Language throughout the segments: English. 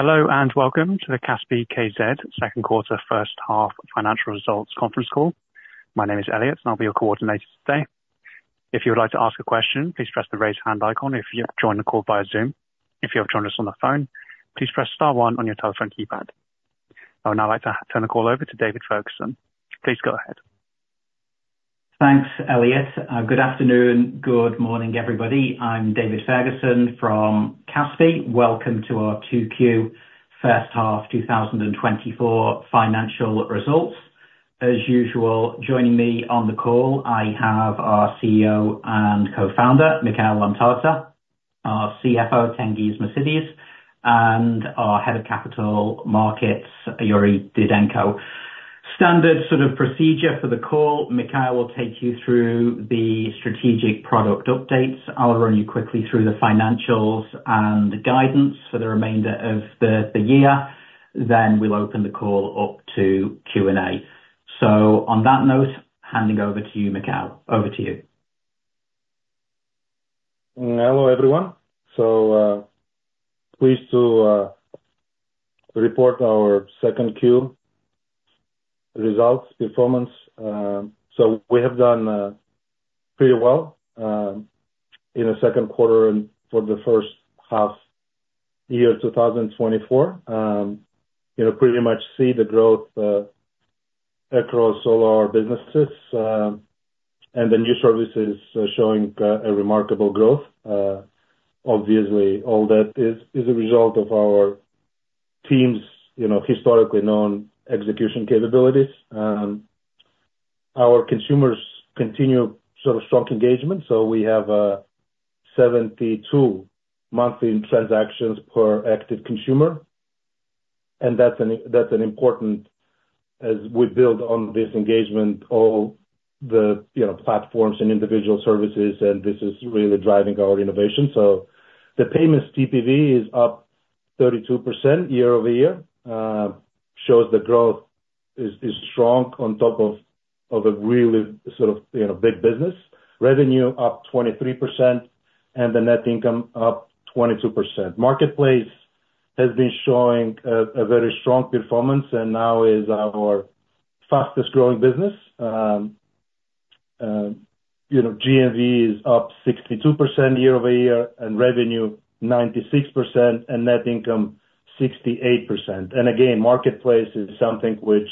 Hello, and welcome to the Kaspi.kz second quarter, first half financial results conference call. My name is Elliot, and I'll be your coordinator today. If you would like to ask a question, please press the Raise Hand icon if you have joined the call via Zoom. If you have joined us on the phone, please press star one on your telephone keypad. I would now like to turn the call over to David Ferguson. Please go ahead. Thanks, Elliot. Good afternoon. Good morning, everybody. I'm David Ferguson from Kaspi. Welcome to our 2Q first half 2024 financial results. As usual, joining me on the call, I have our CEO and co-founder, Mikheil Lomtadze, our CFO, Tengiz Mosidze, and our Head of Capital Markets, Yuriy Didenko. Standard sort of procedure for the call, Mikheil will take you through the strategic product updates. I'll run you quickly through the financials and guidance for the remainder of the year, then we'll open the call up to Q&A. So on that note, handing over to you, Mikheil. Over to you. Hello, everyone. So, pleased to report our second Q results performance. So we have done pretty well in the second quarter and for the first half year, 2024. You know, pretty much see the growth across all our businesses and the new services showing a remarkable growth. Obviously, all that is, is a result of our team's, you know, historically known execution capabilities. Our consumers continue sort of strong engagement, so we have 72 monthly transactions per active consumer, and that's an, that's an important as we build on this engagement, all the, you know, platforms and individual services, and this is really driving our innovation. So the payments TPV is up 32% year-over-year, shows the growth is strong on top of a really sort of, you know, big business. Revenue up 23% and the net income up 22%. Marketplace has been showing a very strong performance and now is our fastest growing business. You know, GMV is up 62% year-over-year, and revenue 96%, and net income 68%. And again, marketplace is something which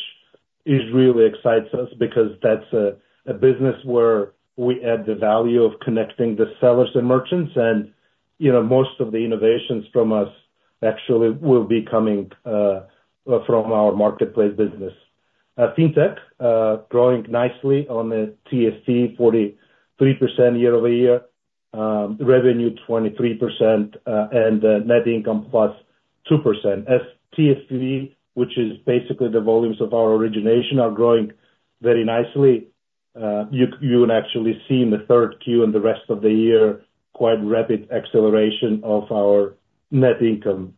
is really excites us because that's a business where we add the value of connecting the sellers and merchants, and, you know, most of the innovations from us actually will be coming from our marketplace business. Fintech growing nicely on a TFV, 43% year-over-year, revenue 23%, and net income +2%. As TFV, which is basically the volumes of our origination, are growing very nicely, you, you would actually see in the third Q and the rest of the year, quite rapid acceleration of our net income.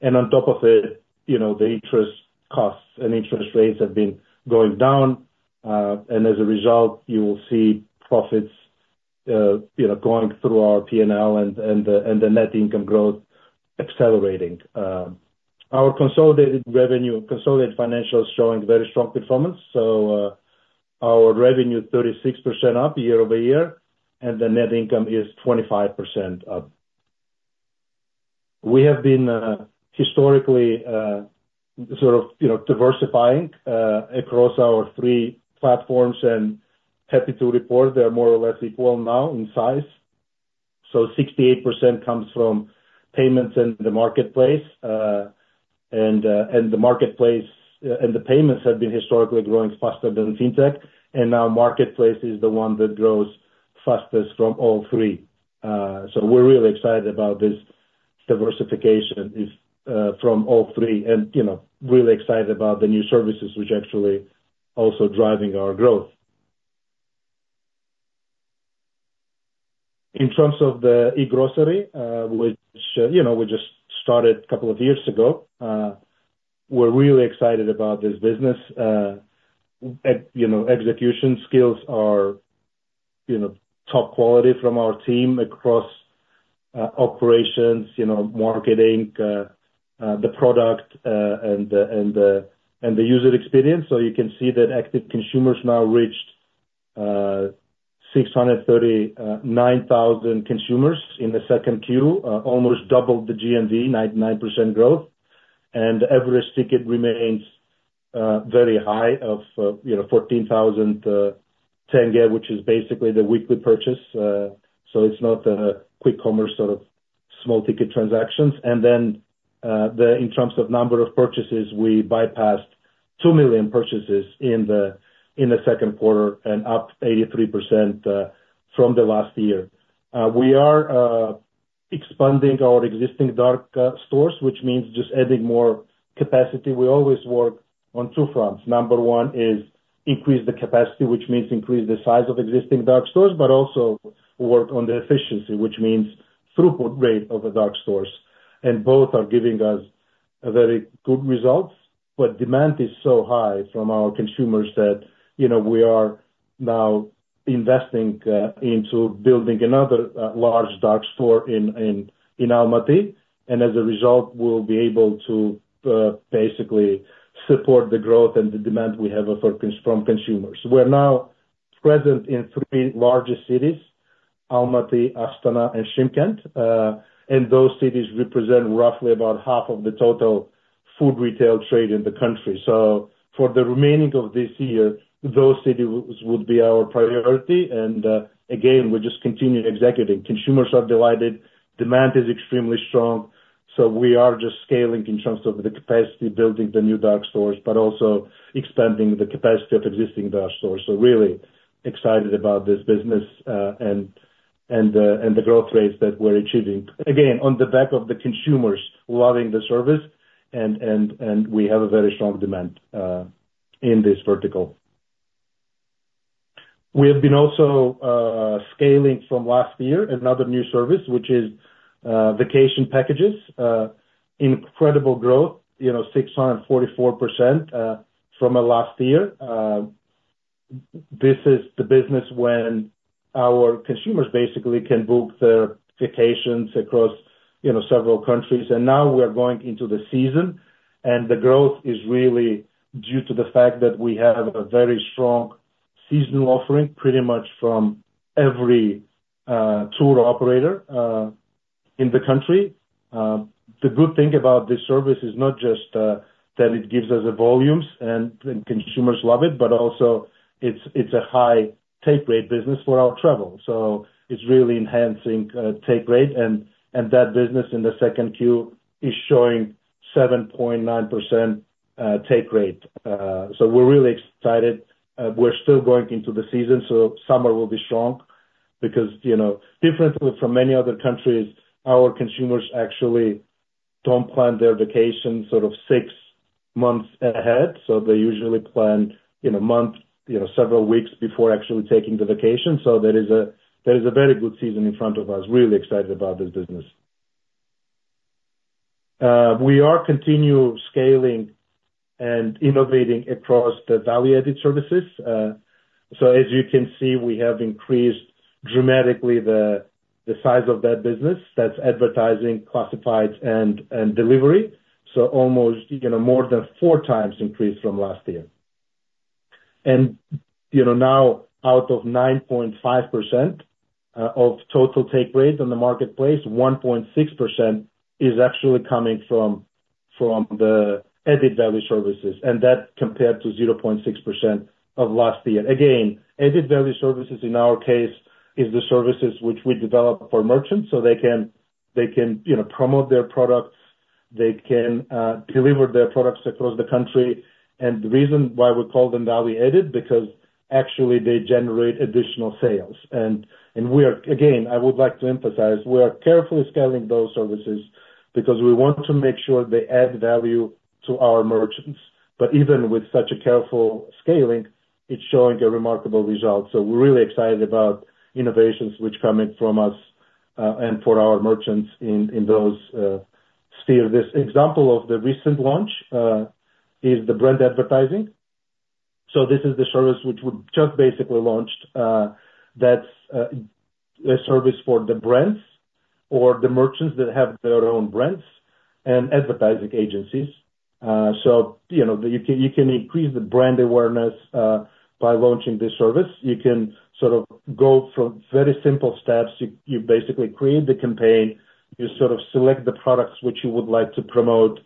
And on top of it, you know, the interest costs and interest rates have been going down, and as a result, you will see profits, you know, going through our P&L and, and the, and the net income growth accelerating. Our consolidated revenue, consolidated financials showing very strong performance. So, our revenue is 36% up year-over-year, and the net income is 25% up. We have been, historically, sort of, you know, diversifying, across our three platforms and happy to report they're more or less equal now in size. So 68% comes from Payments in the Marketplace, and the Marketplace—and the Payments have been historically growing faster than Fintech, and now Marketplace is the one that grows fastest from all three. So we're really excited about this diversification is from all three and, you know, really excited about the new services which actually also driving our growth. In terms of the e-Grocery, which, you know, we just started a couple of years ago, we're really excited about this business. You know, execution skills are, you know, top quality from our team across operations, you know, marketing, the product, and the, and the, and the user experience. So you can see that active consumers now reached 639,000 consumers in the second Q, almost double the GMV, 99% growth. And average ticket remains very high of, you know, 14,000 KZT, which is basically the weekly purchase. So it's not a quick commerce sort of small ticket transactions. And then, in terms of number of purchases, we bypassed 2 million purchases in the second quarter and up 83% from the last year. We are expanding our existing dark stores, which means just adding more capacity. We always work on two fronts. Number one is increase the capacity, which means increase the size of existing dark stores, but also work on the efficiency, which means throughput rate of a dark stores. And both are giving us-... A very good results, but demand is so high from our consumers that, you know, we are now investing into building another large dark store in Almaty, and as a result, we'll be able to basically support the growth and the demand we have from consumers. We're now present in three largest cities: Almaty, Astana, and Shymkent. And those cities represent roughly about half of the total food retail trade in the country. So for the remaining of this year, those cities would be our priority, and again, we're just continuing executing. Consumers are delighted, demand is extremely strong, so we are just scaling in terms of the capacity, building the new dark stores, but also expanding the capacity of existing dark stores. So really excited about this business, and the growth rates that we're achieving. Again, on the back of the consumers loving the service and we have a very strong demand in this vertical. We have been also scaling from last year, another new service, which is vacation packages. Incredible growth, you know, 644% from our last year. This is the business when our consumers basically can book their vacations across, you know, several countries. And now we're going into the season, and the growth is really due to the fact that we have a very strong seasonal offering, pretty much from every tour operator in the country. The good thing about this service is not just that it gives us the volumes and consumers love it, but also it's a high take rate business for our travel. So it's really enhancing take rate, and that business in the second Q is showing 7.9% take rate. So we're really excited. We're still going into the season, so summer will be strong because, you know, differently from many other countries, our consumers actually don't plan their vacation sort of six months ahead, so they usually plan in a month, you know, several weeks before actually taking the vacation. So there is a very good season in front of us. Really excited about this business. We are continuing scaling and innovating across the value-added services. So as you can see, we have increased dramatically the size of that business. That's advertising, classifieds, and delivery. So almost, you know, more than four times increase from last year. You know, now, out of 9.5% of total take rates in the marketplace, 1.6% is actually coming from the added value services, and that compared to 0.6% of last year. Again, added value services, in our case, is the services which we develop for merchants so they can, you know, promote their products, they can deliver their products across the country. And the reason why we call them value-added, because actually they generate additional sales. And we are... Again, I would like to emphasize, we are carefully scaling those services because we want to make sure they add value to our merchants. But even with such a careful scaling, it's showing a remarkable result. So we're really excited about innovations which coming from us and for our merchants in those sphere. This example of the recent launch is the brand advertising. So this is the service which we just basically launched, that's a service for the brands or the merchants that have their own brands and advertising agencies. So you know, you can increase the brand awareness by launching this service. You can sort of go from very simple steps. You basically create the campaign, you sort of select the products which you would like to promote,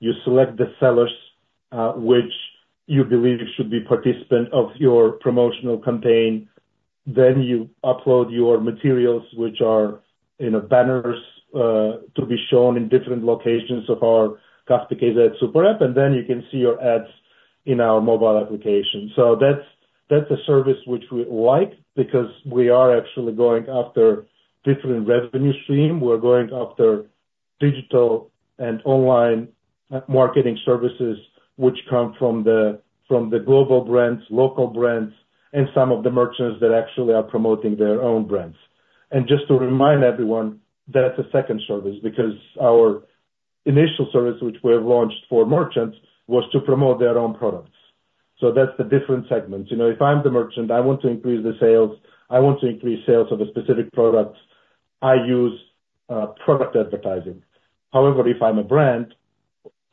you select the sellers which you believe should be participant of your promotional campaign, then you upload your materials, which are, you know, banners to be shown in different locations of our Kaspi.kz Super App, and then you can see your ads in our mobile application. So that's a service which we like because we are actually going after different revenue stream. We're going after digital and online marketing services, which come from the global brands, local brands, and some of the merchants that actually are promoting their own brands. And just to remind everyone, that's a second service, because our initial service, which we have launched for merchants, was to promote their own products. So that's the different segments. You know, if I'm the merchant, I want to increase the sales, I want to increase sales of a specific product, I use product advertising. However, if I'm a brand,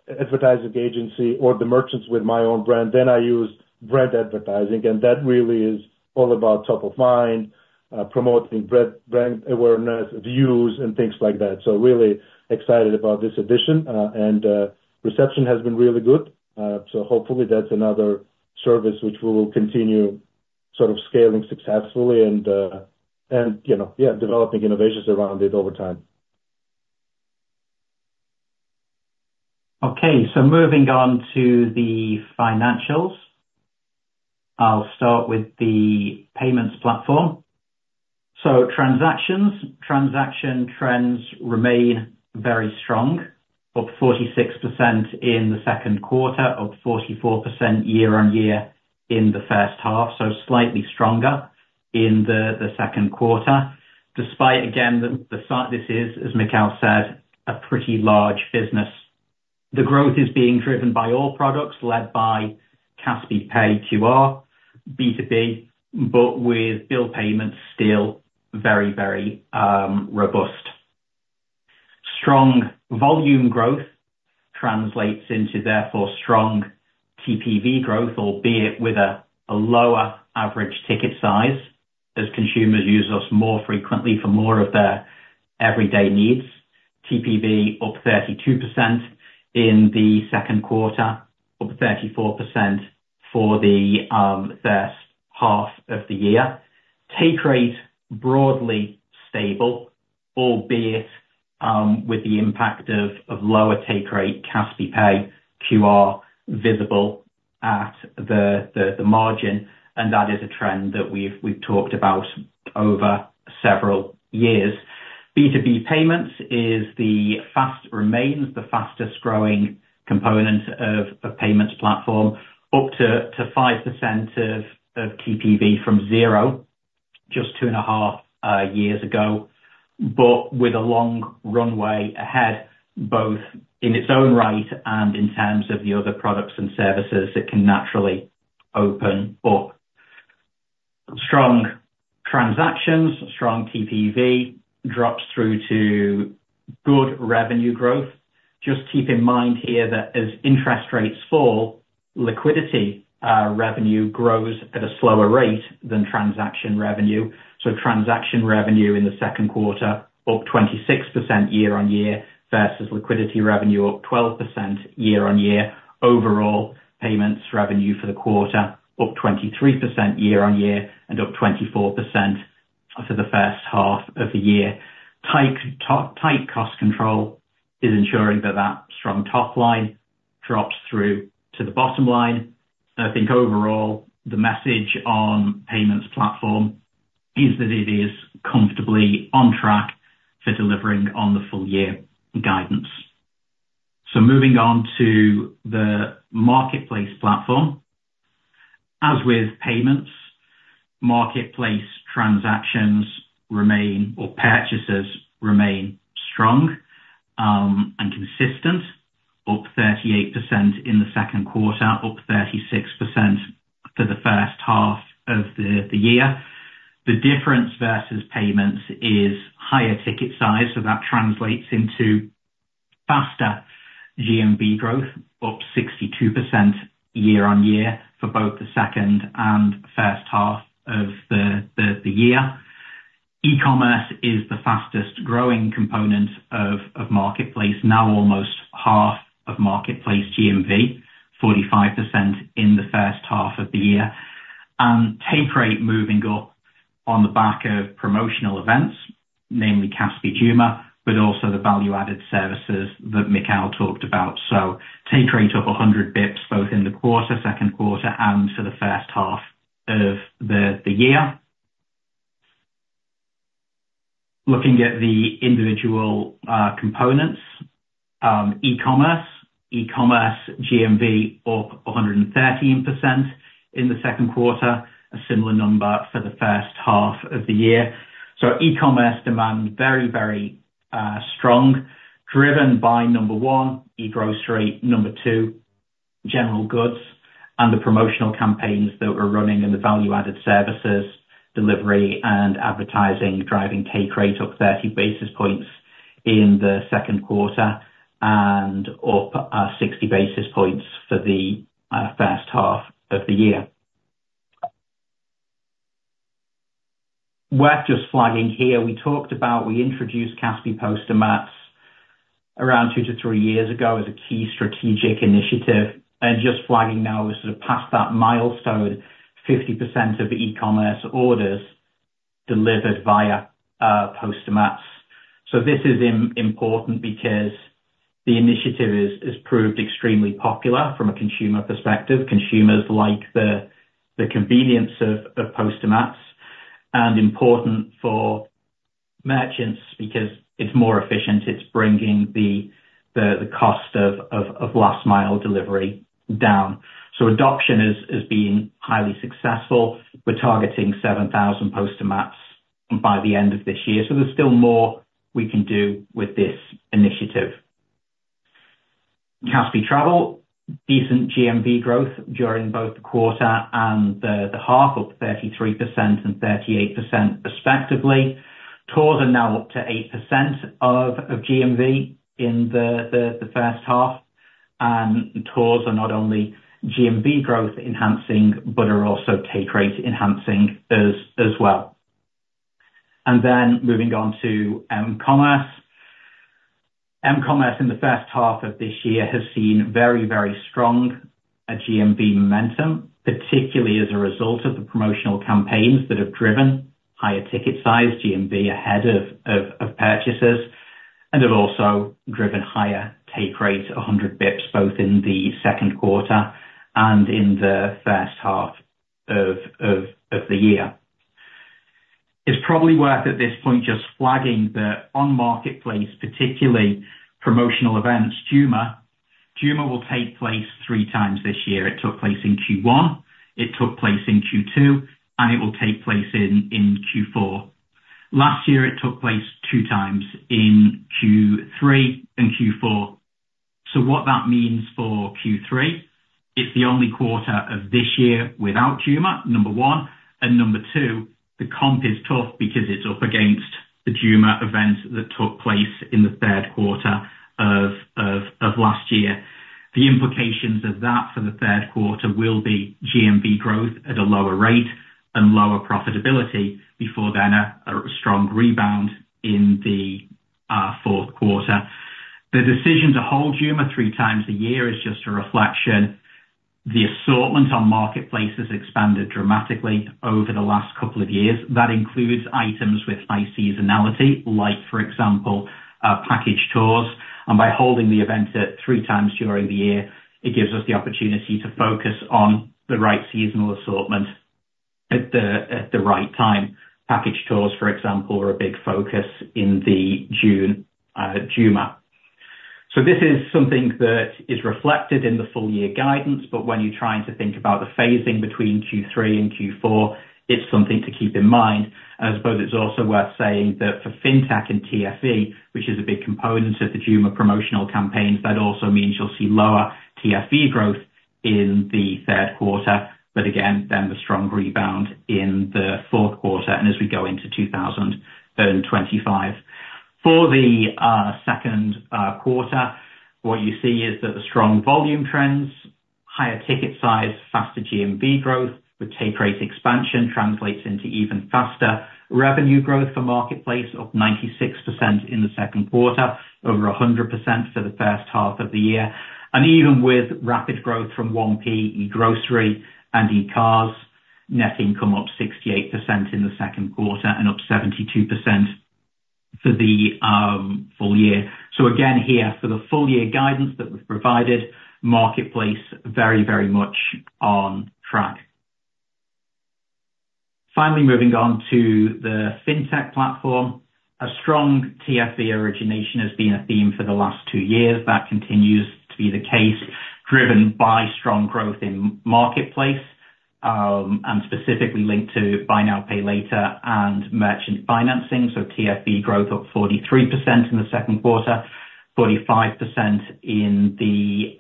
advertising agency, or the merchants with my own brand, then I use brand advertising, and that really is all about top of mind, promoting brand awareness, views, and things like that. So really excited about this addition, and reception has been really good. So, hopefully that's another service which we will continue sort of scaling successfully and, you know, yeah, developing innovations around it over time. Okay, so moving on to the financials. I'll start with the payments platform. So transactions, transaction trends remain very strong, up 46% in the second quarter, up 44% year-on-year in the first half, so slightly stronger in the second quarter, despite again, the size, this is, as Mikheil said, a pretty large business. The growth is being driven by all products, led by Kaspi Pay QR, B2B, but with bill payments still very, very robust. Strong volume growth translates into, therefore, strong TPV growth, albeit with a lower average ticket size, as consumers use us more frequently for more of their everyday needs. TPV up 32% in the second quarter, up 34% for the first half of the year. Take rate, broadly stable, albeit with the impact of lower take rate, Kaspi Pay QR, visible at the margin, and that is a trend that we've talked about over several years. B2B payments remains the fastest growing component of the payments platform, up to 5% of TPV from zero, just 2.5 years ago. But with a long runway ahead, both in its own right and in terms of the other products and services, it can naturally open up. Strong transactions, strong TPV, drops through to good revenue growth. Just keep in mind here that as interest rates fall, liquidity revenue grows at a slower rate than transaction revenue. So transaction revenue in the second quarter, up 26% year-on-year, versus liquidity revenue, up 12% year-on-year. Overall, payments revenue for the quarter, up 23% year-on-year, and up 24% for the first half of the year. Tight cost control is ensuring that that strong top line drops through to the bottom line. I think overall, the message on payments platform is that it is comfortably on track for delivering on the full year guidance. So moving on to the marketplace platform. As with payments, marketplace transactions remain, or purchases remain strong, and consistent, up 38% in the second quarter, up 36% for the first half of the year. The difference versus payments is higher ticket size, so that translates into faster GMV growth, up 62% year-on-year for both the second and first half of the year. E-commerce is the fastest growing component of marketplace, now almost half of marketplace GMV, 45% in the first half of the year. Take rate moving up on the back of promotional events, namely Kaspi Zhuma, but also the value-added services that Mikheil talked about. Take rate up 100 bps, both in the quarter, second quarter, and for the first half of the year. Looking at the individual components, e-commerce GMV up 113% in the second quarter, a similar number for the first half of the year. So e-commerce demand, very, very strong, driven by number one, e-Grocery; number two, general goods, and the promotional campaigns that we're running and the value-added services, delivery and advertising, driving take rate up 30 basis points in the second quarter, and up 60 basis points for the first half of the year. Worth just flagging here, we talked about... We introduced Kaspi Postomats around 2-3 years ago as a key strategic initiative, and just flagging now, we're sort of past that milestone, 50% of e-commerce orders delivered via Postomats. So this is important because the initiative is proved extremely popular from a consumer perspective. Consumers like the convenience of Postomats, and important for merchants because it's more efficient, it's bringing the cost of last mile delivery down. So adoption has been highly successful. We're targeting 7,000 Postomats by the end of this year, so there's still more we can do with this initiative. Kaspi Travel, decent GMV growth during both the quarter and the half, up 33% and 38% respectively. Tours are now up to 8% of GMV in the first half, and tours are not only GMV growth enhancing, but are also take rate enhancing as well. Then moving on to mCommerce. mCommerce in the first half of this year has seen very, very strong GMV momentum, particularly as a result of the promotional campaigns that have driven higher ticket size GMV ahead of purchases, and have also driven higher take rate, 100 bps, both in the second quarter and in the first half of the year. It's probably worth at this point, just flagging that on Marketplace, particularly promotional events, Zhuma. Zhuma will take place three times this year. It took place in Q1, it took place in Q2, and it will take place in Q4. Last year, it took place two times in Q3 and Q4. So what that means for Q3, it's the only quarter of this year without Zhuma, number one, and number two, the comp is tough because it's up against the Zhuma event that took place in the third quarter of last year. The implications of that for the third quarter will be GMV growth at a lower rate and lower profitability before then a strong rebound in the fourth quarter. The decision to hold Zhuma three times a year is just a reflection. The assortment on Marketplace has expanded dramatically over the last couple of years. That includes items with high seasonality, like, for example, package tours, and by holding the event at three times during the year, it gives us the opportunity to focus on the right seasonal assortment at the, at the right time. Package tours, for example, are a big focus in the June Zhuma. So this is something that is reflected in the full year guidance, but when you're trying to think about the phasing between Q3 and Q4, it's something to keep in mind. I suppose it's also worth saying that for Fintech and TFV, which is a big component of the Zhuma promotional campaigns, that also means you'll see lower TFV growth in the third quarter, but again, then the strong rebound in the fourth quarter and as we go into 2025. For the second quarter, what you see is that the strong volume trends, higher ticket size, faster GMV growth with take rate expansion translates into even faster revenue growth for Marketplace of 96% in the second quarter, over 100% for the first half of the year. And even with rapid growth from 1P, in grocery and in cars, net income up 68% in the second quarter and up 72% for the full year. So again, here, for the full year guidance that we've provided, Marketplace very, very much on track. Finally, moving on to the Fintech platform. A strong TFV origination has been a theme for the last two years. That continues to be the case, driven by strong growth in Marketplace, and specifically linked to buy now, pay later, and merchant financing. So TFV growth up 43% in the second quarter, 45% in the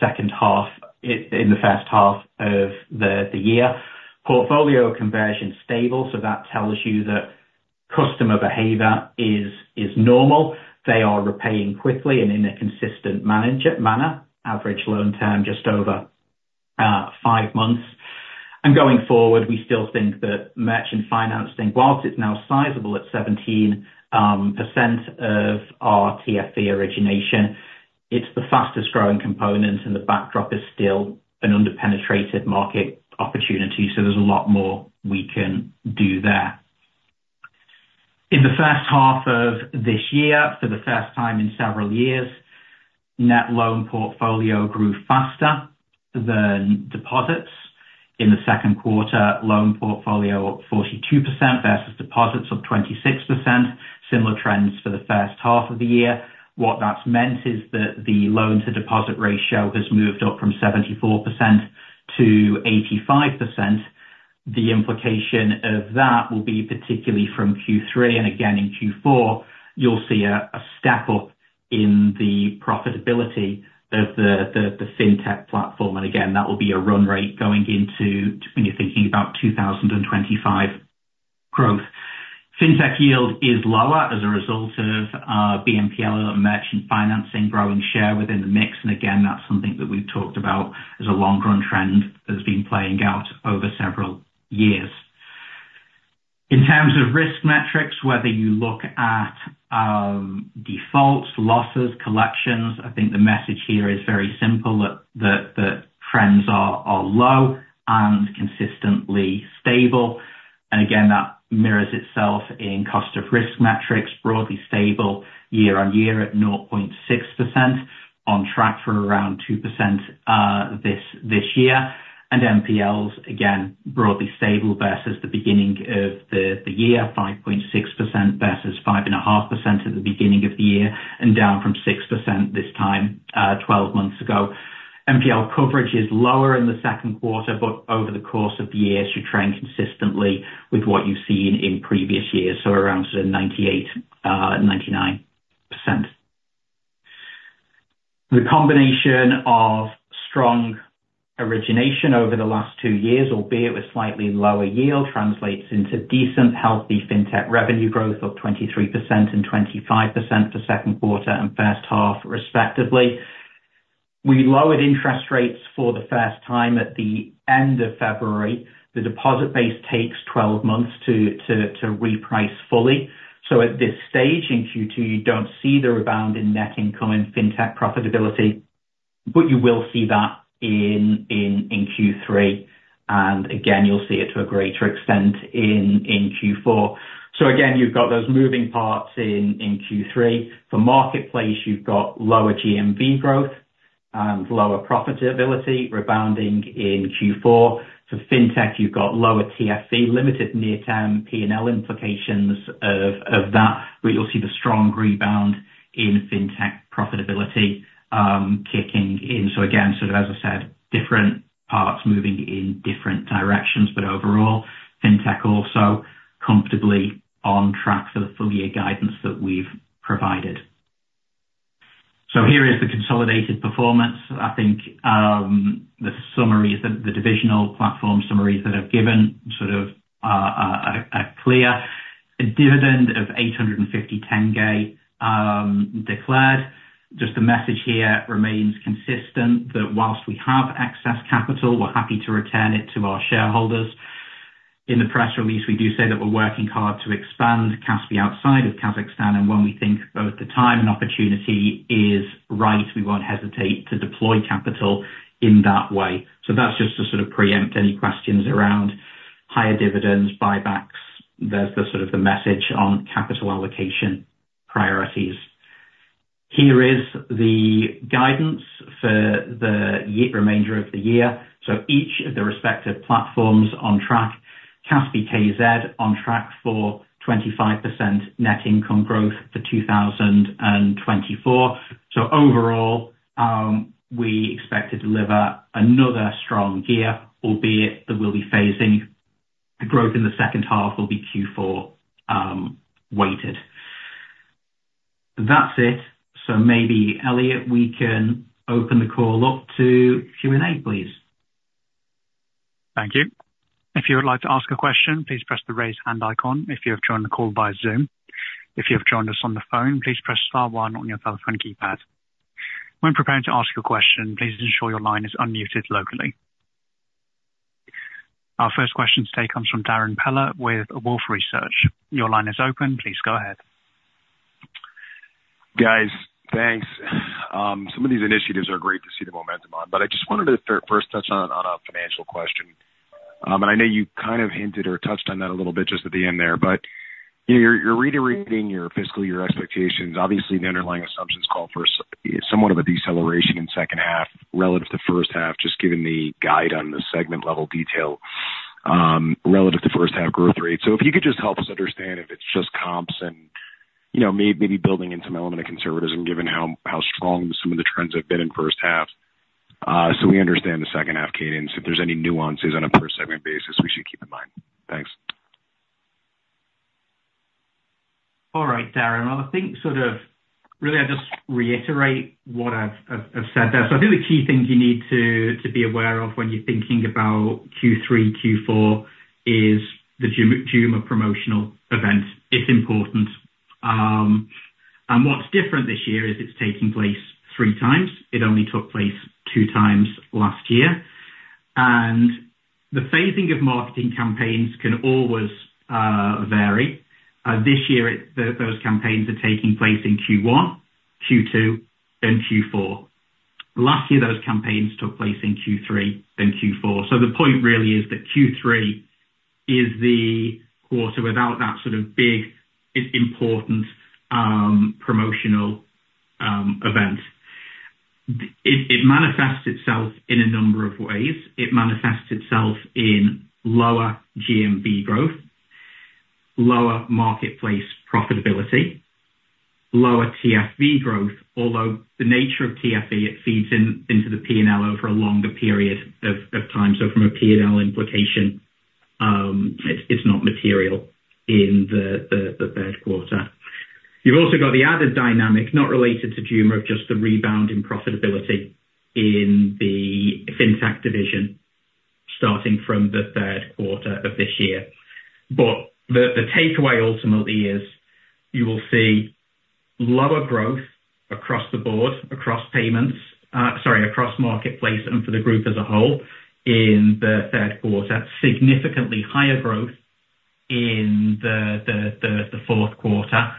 second half—in the first half of the year. Portfolio conversion stable, so that tells you that customer behavior is normal. They are repaying quickly and in a consistent manner. Average loan term, just over 5 months. And going forward, we still think that merchant financing, whilst it's now sizable at 17% of our TFV origination, it's the fastest growing component, and the backdrop is still an under-penetrated market opportunity, so there's a lot more we can do there. In the first half of this year, for the first time in several years, net loan portfolio grew faster than deposits. In the second quarter, loan portfolio up 42% versus deposits of 26%. Similar trends for the first half of the year. What that's meant is that the loan-to-deposit ratio has moved up from 74% to 85%. The implication of that will be particularly from Q3 and again in Q4, you'll see a step up in the profitability of the Fintech platform, and again, that will be a run rate going into when you're thinking about 2025 growth. Fintech yield is lower as a result of BNPL and merchant financing growing share within the mix, and again, that's something that we've talked about as a long-run trend that's been playing out over several years. In terms of risk metrics, whether you look at defaults, losses, collections, I think the message here is very simple, that the trends are low and consistently stable. Again, that mirrors itself in cost of risk metrics, broadly stable year-on-year at 0.6%, on track for around 2%, this year. NPLs, again, broadly stable versus the beginning of the year, 5.6% versus 5.5% at the beginning of the year, and down from 6% this time, 12 months ago. NPL coverage is lower in the second quarter, but over the course of the year, it should trend consistently with what you've seen in previous years, so around sort of 98-99%. The combination of strong origination over the last two years, albeit with slightly lower yield, translates into decent, healthy Fintech revenue growth of 23% and 25% for second quarter and first half, respectively. We lowered interest rates for the first time at the end of February. The deposit base takes 12 months to reprice fully. So at this stage in Q2, you don't see the rebound in net income in Fintech profitability, but you will see that in Q3, and again, you'll see it to a greater extent in Q4. So again, you've got those moving parts in Q3. For Marketplace, you've got lower GMV growth and lower profitability rebounding in Q4. For Fintech, you've got lower TFV, limited near-term P&L implications of that, where you'll see the strong rebound in Fintech profitability kicking in. So again, sort of, as I said, different parts moving in different directions, but overall, Fintech also comfortably on track for the full year guidance that we've provided. So here is the consolidated performance. I think, the summary, the divisional platform summaries that I've given sort of, are clear. A dividend of 850 KZT declared. Just the message here remains consistent, that while we have excess capital, we're happy to return it to our shareholders. In the press release, we do say that we're working hard to expand Kaspi outside of Kazakhstan, and when we think both the time and opportunity is right, we won't hesitate to deploy capital in that way. So that's just to sort of preempt any questions around higher dividends, buybacks. There's the sort of the message on capital allocation priorities. Here is the guidance for the remainder of the year. So each of the respective platforms on track, Kaspi.kz on track for 25% net income growth for 2024. So overall, we expect to deliver another strong year, albeit that we'll be phasing, the growth in the second half will be Q4 weighted. That's it. So maybe, Elliot, we can open the call up to Q&A, please. Thank you. If you would like to ask a question, please press the Raise Hand icon if you have joined the call by Zoom. If you have joined us on the phone, please press star one on your telephone keypad. When preparing to ask your question, please ensure your line is unmuted locally. Our first question today comes from Darrin Peller with Wolfe Research. Your line is open. Please go ahead. Guys, thanks. Some of these initiatives are great to see the momentum on, but I just wanted to first touch on a financial question. And I know you kind of hinted or touched on that a little bit just at the end there, but, you know, you're reiterating your fiscal year expectations. Obviously, the underlying assumptions call for somewhat of a deceleration in second half relative to first half, just given the guide on the segment-level detail, relative to first half growth rate. So if you could just help us understand if it's just comps and, you know, maybe building in some element of conservatism, given how strong some of the trends have been in first half, so we understand the second half cadence, if there's any nuances on a per segment basis we should keep in mind. Thanks. All right, Darrin. I think sort of, really, I just reiterate what I've said there. So I think the key things you need to be aware of when you're thinking about Q3, Q4 is the Zhuma promotional event. It's important. And what's different this year is it's taking place three times. It only took place two times last year. And the phasing of marketing campaigns can always vary. This year, those campaigns are taking place in Q1, Q2, and Q4. Last year, those campaigns took place in Q3, then Q4. So the point really is that Q3 is the quarter without that sort of big, important promotional event. It manifests itself in a number of ways. It manifests itself in lower GMV growth, lower marketplace profitability, lower TFV growth, although the nature of TFV, it feeds into the P&L over a longer period of time. So from a P&L implication, it's not material in the third quarter. You've also got the other dynamic, not related to Zhuma, of just the rebound in profitability in the Fintech division, starting from the third quarter of this year. But the takeaway ultimately is you will see lower growth across the board, across payments, sorry, across marketplace and for the group as a whole in the third quarter. Significantly higher growth in the fourth quarter,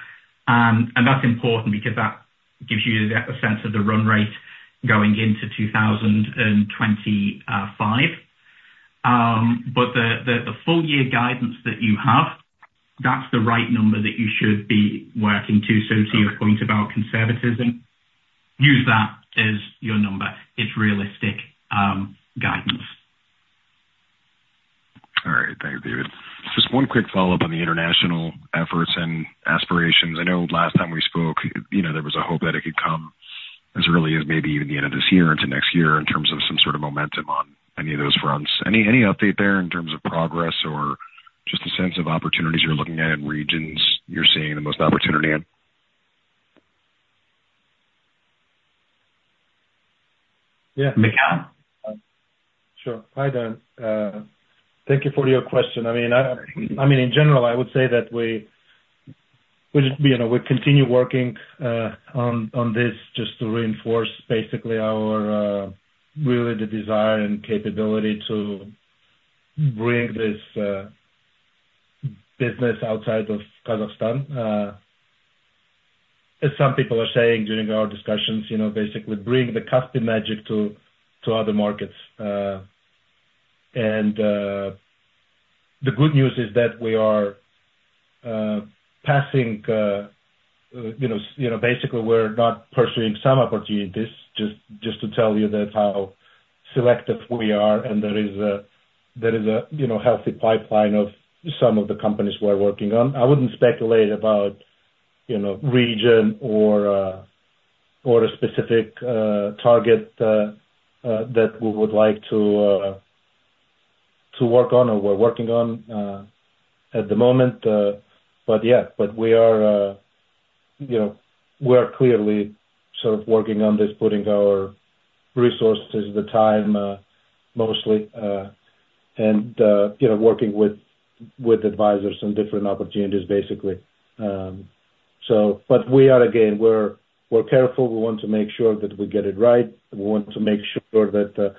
and that's important because that gives you a sense of the run rate going into 2025. But the full year guidance that you have, that's the right number that you should be working to. Okay. So to your point about conservatism, use that as your number. It's realistic, guidance. All right. Thank you, David. Just one quick follow-up on the international efforts and aspirations. I know last time we spoke, you know, there was a hope that it could come as early as maybe even the end of this year into next year in terms of some sort of momentum on any of those fronts. Any update there in terms of progress or just a sense of opportunities you're looking at and regions you're seeing the most opportunity in? Yeah. Mikheil? Sure. Hi, Darrin. Thank you for your question. I mean, I mean, in general, I would say that we, you know, we continue working on this just to reinforce basically our really the desire and capability to bring this business outside of Kazakhstan. As some people are saying during our discussions, you know, basically bring the Kaspi Magic to other markets. And the good news is that we are passing, you know, basically, we're not pursuing some opportunities, just to tell you that how selective we are, and there is a healthy pipeline of some of the companies we're working on. I wouldn't speculate about, you know, region or or a specific target that we would like to to work on or we're working on at the moment. But yeah, but we are, you know, we are clearly sort of working on this, putting our resources, the time, mostly, and, you know, working with with advisors on different opportunities, basically. So but we are again, we're, we're careful. We want to make sure that we get it right. We want to make sure that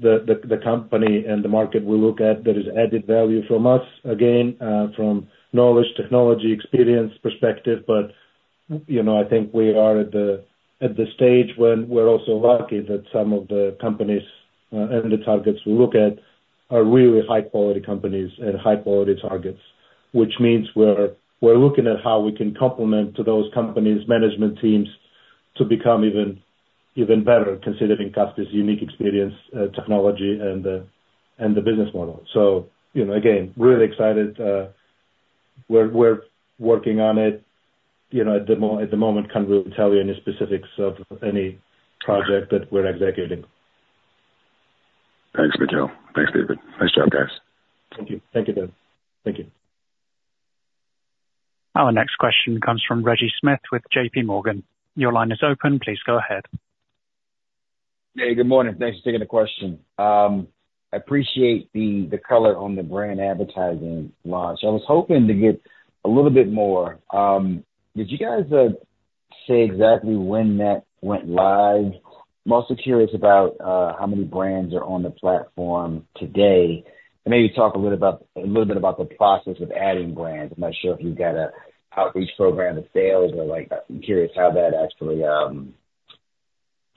the company and the market we look at, there is added value from us, again, from knowledge, technology, experience, perspective. But, you know, I think we are at the stage when we're also lucky that some of the companies and the targets we look at are really high-quality companies and high-quality targets. Which means we're looking at how we can complement to those companies' management teams to become even better, considering Kaspi's unique experience, technology and the business model. So, you know, again, really excited. We're working on it. You know, at the moment, can't really tell you any specifics of any project that we're executing. Thanks, Mikheil. Thanks, David. Nice job, guys. Thank you. Thank you, David. Thank you. Our next question comes from Reggie Smith with J.P. Morgan. Your line is open. Please go ahead. Hey, good morning. Thanks for taking the question. I appreciate the color on the brand advertising launch. I was hoping to get a little bit more. Did you guys say exactly when that went live? Mostly curious about how many brands are on the platform today. And maybe talk a little about, a little bit about the process of adding brands. I'm not sure if you've got a outreach program to sales or like... I'm curious how that actually,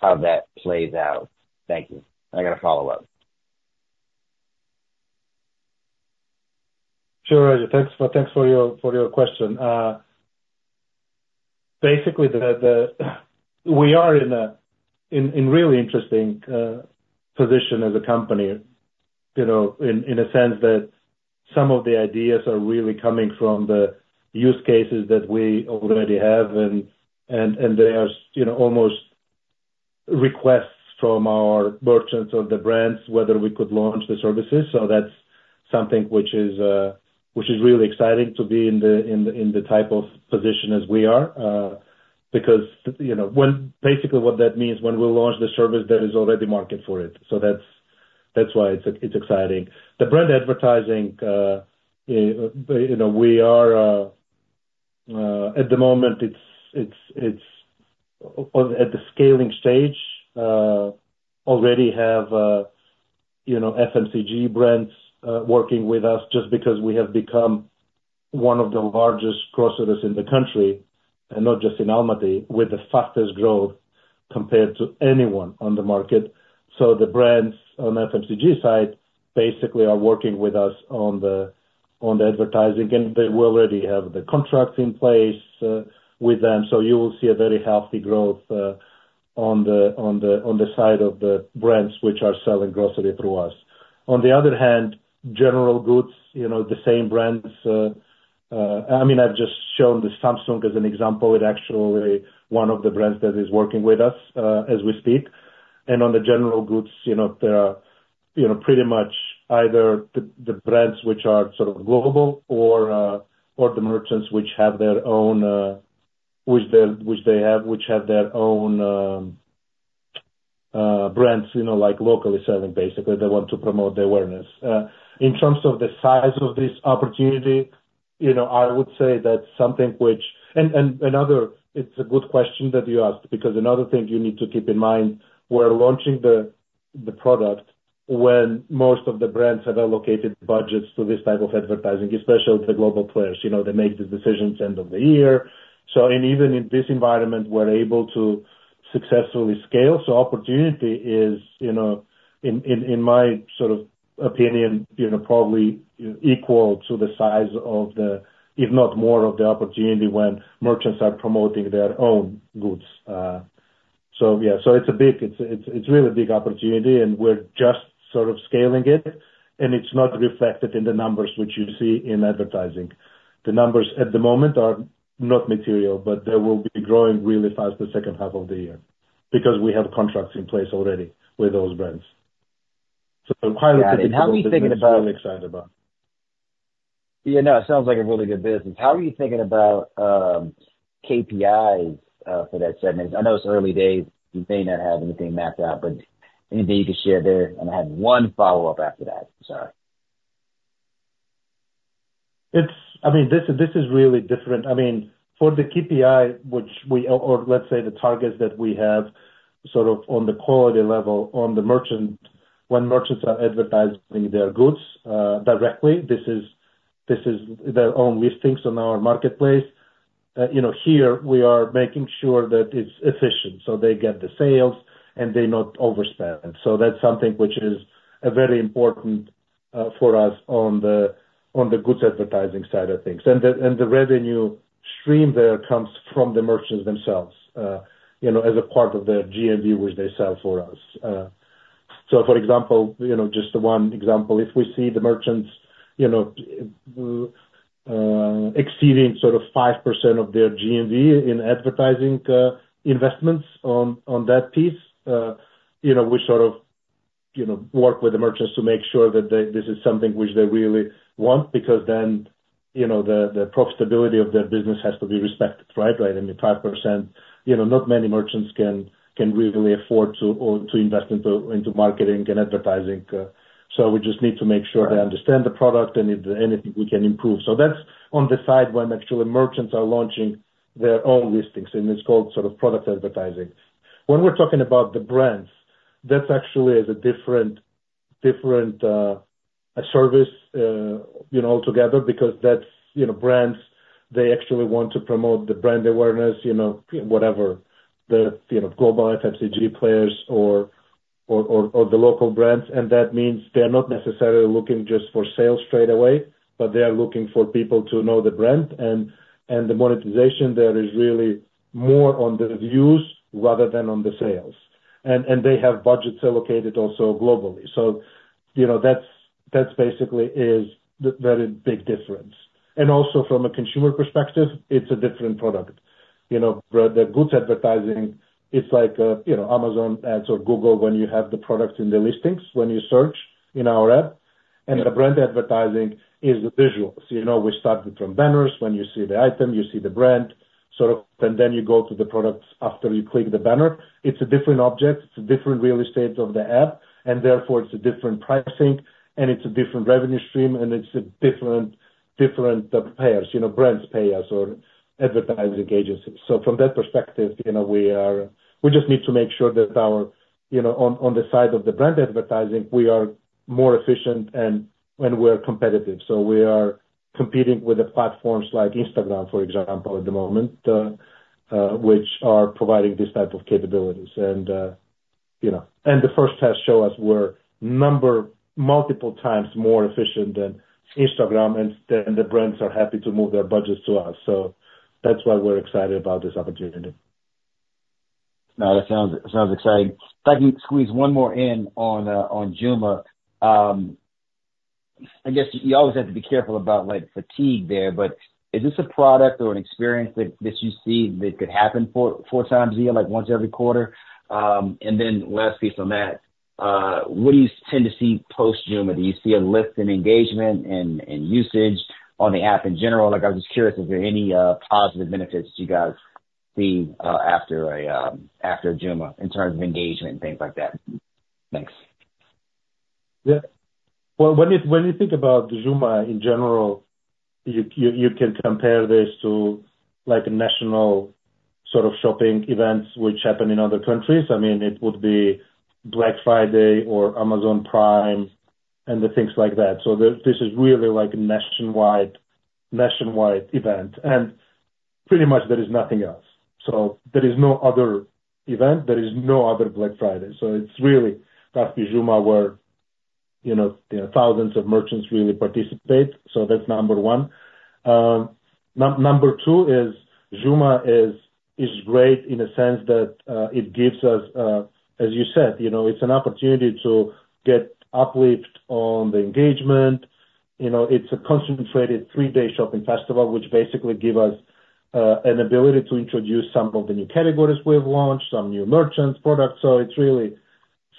how that plays out. Thank you. I got a follow-up. Sure, Reggie. Thanks for your question. Basically, we are in a really interesting position as a company, you know, in a sense that some of the ideas are really coming from the use cases that we already have, and there's, you know, almost requests from our merchants or the brands whether we could launch the services. So that's something which is really exciting to be in the type of position as we are. Because, you know, when... Basically what that means, when we launch the service, there is already market for it. So that's why it's exciting. The brand advertising, you know, we are at the moment, it's on at the scaling stage. Already have, you know, FMCG brands working with us just because we have become one of the largest grocers in the country, and not just in Almaty, with the fastest growth compared to anyone on the market. So the brands on FMCG side basically are working with us on the advertising, and we already have the contracts in place with them, so you will see a very healthy growth on the side of the brands which are selling grocery through us. On the other hand, general goods, you know, the same brands, I mean, I've just shown the Samsung as an example, with actually one of the brands that is working with us as we speak. On the general goods, you know, there are, you know, pretty much either the brands which are sort of global or the merchants which have their own brands, you know, like locally selling. Basically, they want to promote the awareness. In terms of the size of this opportunity, you know, I would say that's something which... And another, it's a good question that you asked, because another thing you need to keep in mind. We're launching the product when most of the brands have allocated budgets to this type of advertising, especially the global players. You know, they make the decisions end of the year. So and even in this environment, we're able to successfully scale. So opportunity is, you know, in my sort of opinion, you know, probably equal to the size of the, if not more of the opportunity when merchants are promoting their own goods. So yeah, so it's a big, it's really a big opportunity, and we're just sort of scaling it, and it's not reflected in the numbers which you see in advertising. The numbers at the moment are not material, but they will be growing really fast the second half of the year, because we have contracts in place already with those brands. So quite- Got it. And how are you thinking about- Really excited about. Yeah, no, it sounds like a really good business. How are you thinking about KPIs for that segment? I know it's early days, you may not have anything mapped out, but anything you can share there? I have one follow-up after that, sorry. It's I mean, this is really different. I mean, for the KPI, or let's say the targets that we have sort of on the quality level, on the merchant, when merchants are advertising their goods directly, this is their own listings on our marketplace, you know, here we are making sure that it's efficient, so they get the sales, and they not overspend. And so that's something which is very important for us on the goods advertising side of things. And the revenue stream there comes from the merchants themselves, you know, as a part of their GMV, which they sell for us. So for example, you know, just the one example, if we see the merchants, you know, exceeding sort of 5% of their GMV in advertising investments on that piece, you know, we sort of, you know, work with the merchants to make sure that they—this is something which they really want, because then, you know, the profitability of their business has to be respected, right? Right, I mean, 5%, you know, not many merchants can really afford to or to invest into marketing and advertising. So we just need to make sure they understand the product and if anything we can improve. So that's on the side when actually merchants are launching their own listings, and it's called sort of product advertising. When we're talking about the brands, that actually is a different service, you know, altogether, because that's, you know, brands, they actually want to promote the brand awareness, you know, whatever the, you know, global FMCG players or the local brands. And that means they're not necessarily looking just for sales straight away, but they are looking for people to know the brand, and the monetization there is really more on the views rather than on the sales. And they have budgets allocated also globally. So, you know, that's basically is the very big difference. And also from a consumer perspective, it's a different product. You know, the goods advertising, it's like, you know, Amazon ads or Google when you have the products in the listings, when you search in our app. And the brand advertising is visual. So, you know, we started from banners, when you see the item, you see the brand, sort of, and then you go to the products after you click the banner. It's a different object, it's a different real estate of the app, and therefore it's a different pricing, and it's a different revenue stream, and it's a different, different, payers, you know, brands pay us or advertising agencies. So from that perspective, you know, we are, we just need to make sure that our, you know, on, on the side of the brand advertising, we are more efficient and, and we're competitive. So we are competing with the platforms like Instagram, for example, at the moment, which are providing these type of capabilities. You know, the first test showed us we're multiple times more efficient than Instagram, and then the brands are happy to move their budgets to us. So that's why we're excited about this opportunity. No, that sounds exciting. If I can squeeze one more in on Zhuma. I guess you always have to be careful about, like, fatigue there, but is this a product or an experience that you see that could happen four times a year, like once every quarter? And then last piece on that, what do you tend to see post-Zhuma? Do you see a lift in engagement and usage on the app in general? Like, I'm just curious, is there any positive benefits you guys see after Zhuma in terms of engagement and things like that? Thanks. Yeah. Well, when you think about Zhuma in general, you can compare this to, like, a national sort of shopping events which happen in other countries. I mean, it would be Black Friday or Amazon Prime and the things like that. So this is really like a nationwide event, and pretty much there is nothing else. So there is no other event, there is no other Black Friday. So it's really that Zhuma where, you know, thousands of merchants really participate. So that's number one. Number two is, Zhuma is great in a sense that it gives us, as you said, you know, it's an opportunity to get uplift on the engagement. You know, it's a concentrated three-day shopping festival, which basically give us an ability to introduce some of the new categories we've launched, some new merchants, products. So it's really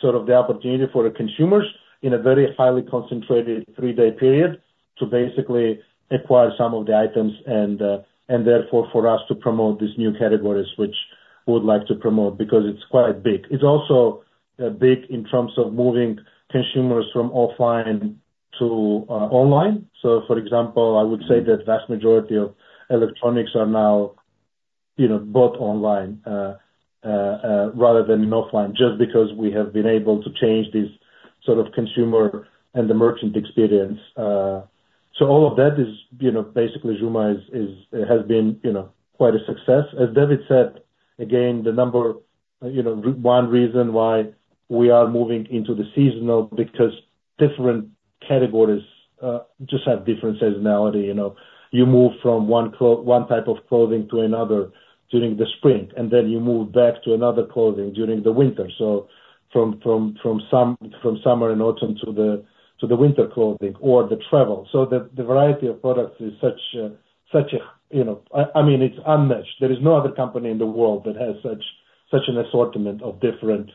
sort of the opportunity for the consumers in a very highly concentrated three-day period to basically acquire some of the items and and therefore for us to promote these new categories, which we would like to promote, because it's quite big. It's also big in terms of moving consumers from offline to online. So, for example, I would say that vast majority of electronics are now, you know, bought online rather than offline, just because we have been able to change this sort of consumer and the merchant experience. So all of that is, you know, basically Zhuma has been, you know, quite a success. As David said, again, the number, you know, one reason why we are moving into the seasonal, because different categories just have different seasonality, you know. You move from one type of clothing to another during the spring, and then you move back to another clothing during the winter. So from summer and autumn to the winter clothing or the travel. So the variety of products is such a, you know... I mean, it's unmatched. There is no other company in the world that has such an assortment of different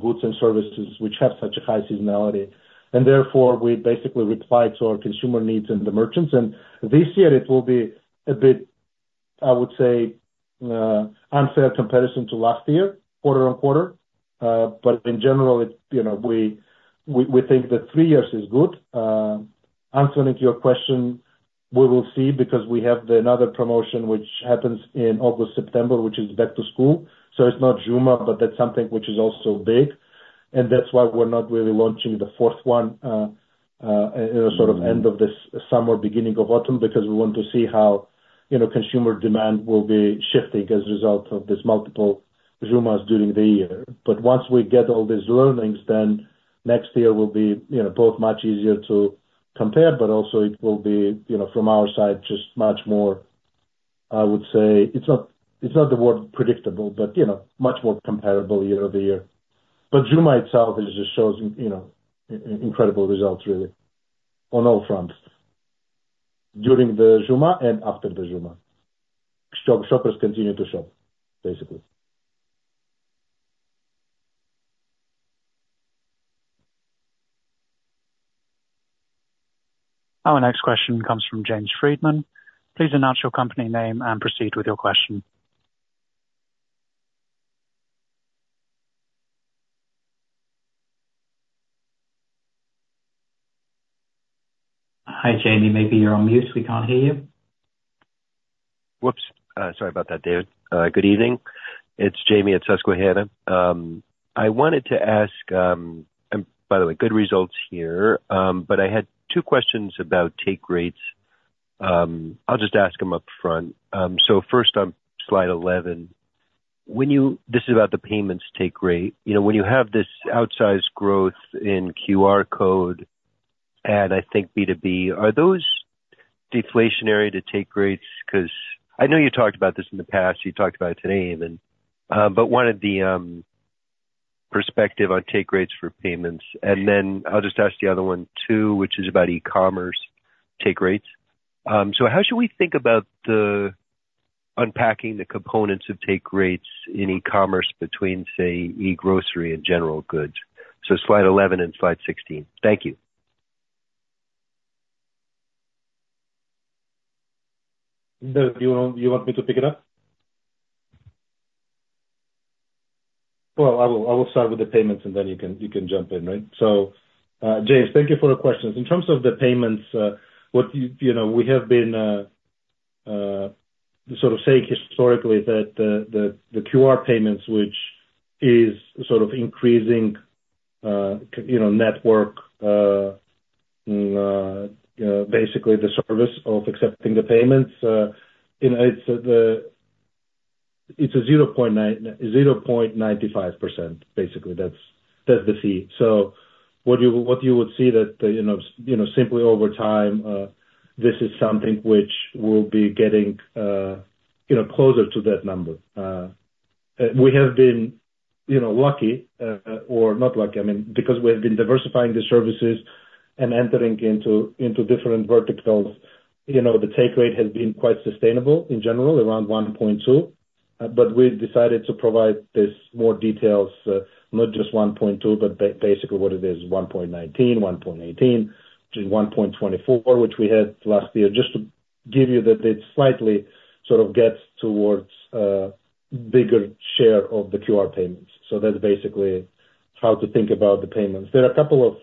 goods and services, which have such a high seasonality. And therefore, we basically reply to our consumer needs and the merchants. And this year it will be a bit, I would say, unfair comparison to last year, quarter on quarter. But in general, you know, we think that three years is good. Answering to your question, we will see, because we have another promotion, which happens in August, September, which is back to school. So it's not Zhuma, but that's something which is also big. And that's why we're not really launching the fourth one, sort of end of this summer, beginning of autumn, because we want to see how, you know, consumer demand will be shifting as a result of this multiple Zhumas during the year. But once we get all these learnings, then next year will be, you know, both much easier to compare, but also it will be, you know, from our side, just much more, I would say, it's not the word predictable, but, you know, much more comparable year over year. Zhuma itself it just shows, you know, incredible results really, on all fronts. During the Zhuma and after the Zhuma, shoppers continue to shop, basically. Our next question comes from James Friedman. Please announce your company name and proceed with your question. Hi, Jamie. Maybe you're on mute, we can't hear you. Whoops! Sorry about that, David. Good evening. It's Jamie at Susquehanna. I wanted to ask, and by the way, good results here, but I had two questions about take rates. I'll just ask them upfront. So first on slide 11, when you... This is about the payments take rate. You know, when you have this outsized growth in QR code, and I think B2B, are those deflationary to take rates? 'Cause I know you talked about this in the past, you talked about it today even, but wanted the, perspective on take rates for payments. And then I'll just ask the other one, too, which is about e-commerce take rates. So how should we think about the unpacking the components of take rates in e-commerce between, say, e-grocery and general goods? So slide 11 and slide 16. Thank you. David, you want, you want me to pick it up? Well, I will, I will start with the payments and then you can, you can jump in, right? So, James, thank you for the questions. In terms of the payments, what you know, we have been sort of saying historically that the QR payments, which is sort of increasing, you know, network, you know, basically the service of accepting the payments, you know, it's the, it's a 0.9%-0.95%. Basically, that's, that's the fee. So what you, what you would see that, you know, you know, simply over time, this is something which will be getting, you know, closer to that number. We have been, you know, lucky, or not lucky, I mean, because we have been diversifying the services and entering into different verticals. You know, the take rate has been quite sustainable, in general, around 1.2. But we've decided to provide this more details, not just 1.2, but basically what it is, 1.19, 1.18, which is 1.24, which we had last year. Just to give you that it's slightly sort of gets towards bigger share of the QR payments. So that's basically how to think about the payments. There are a couple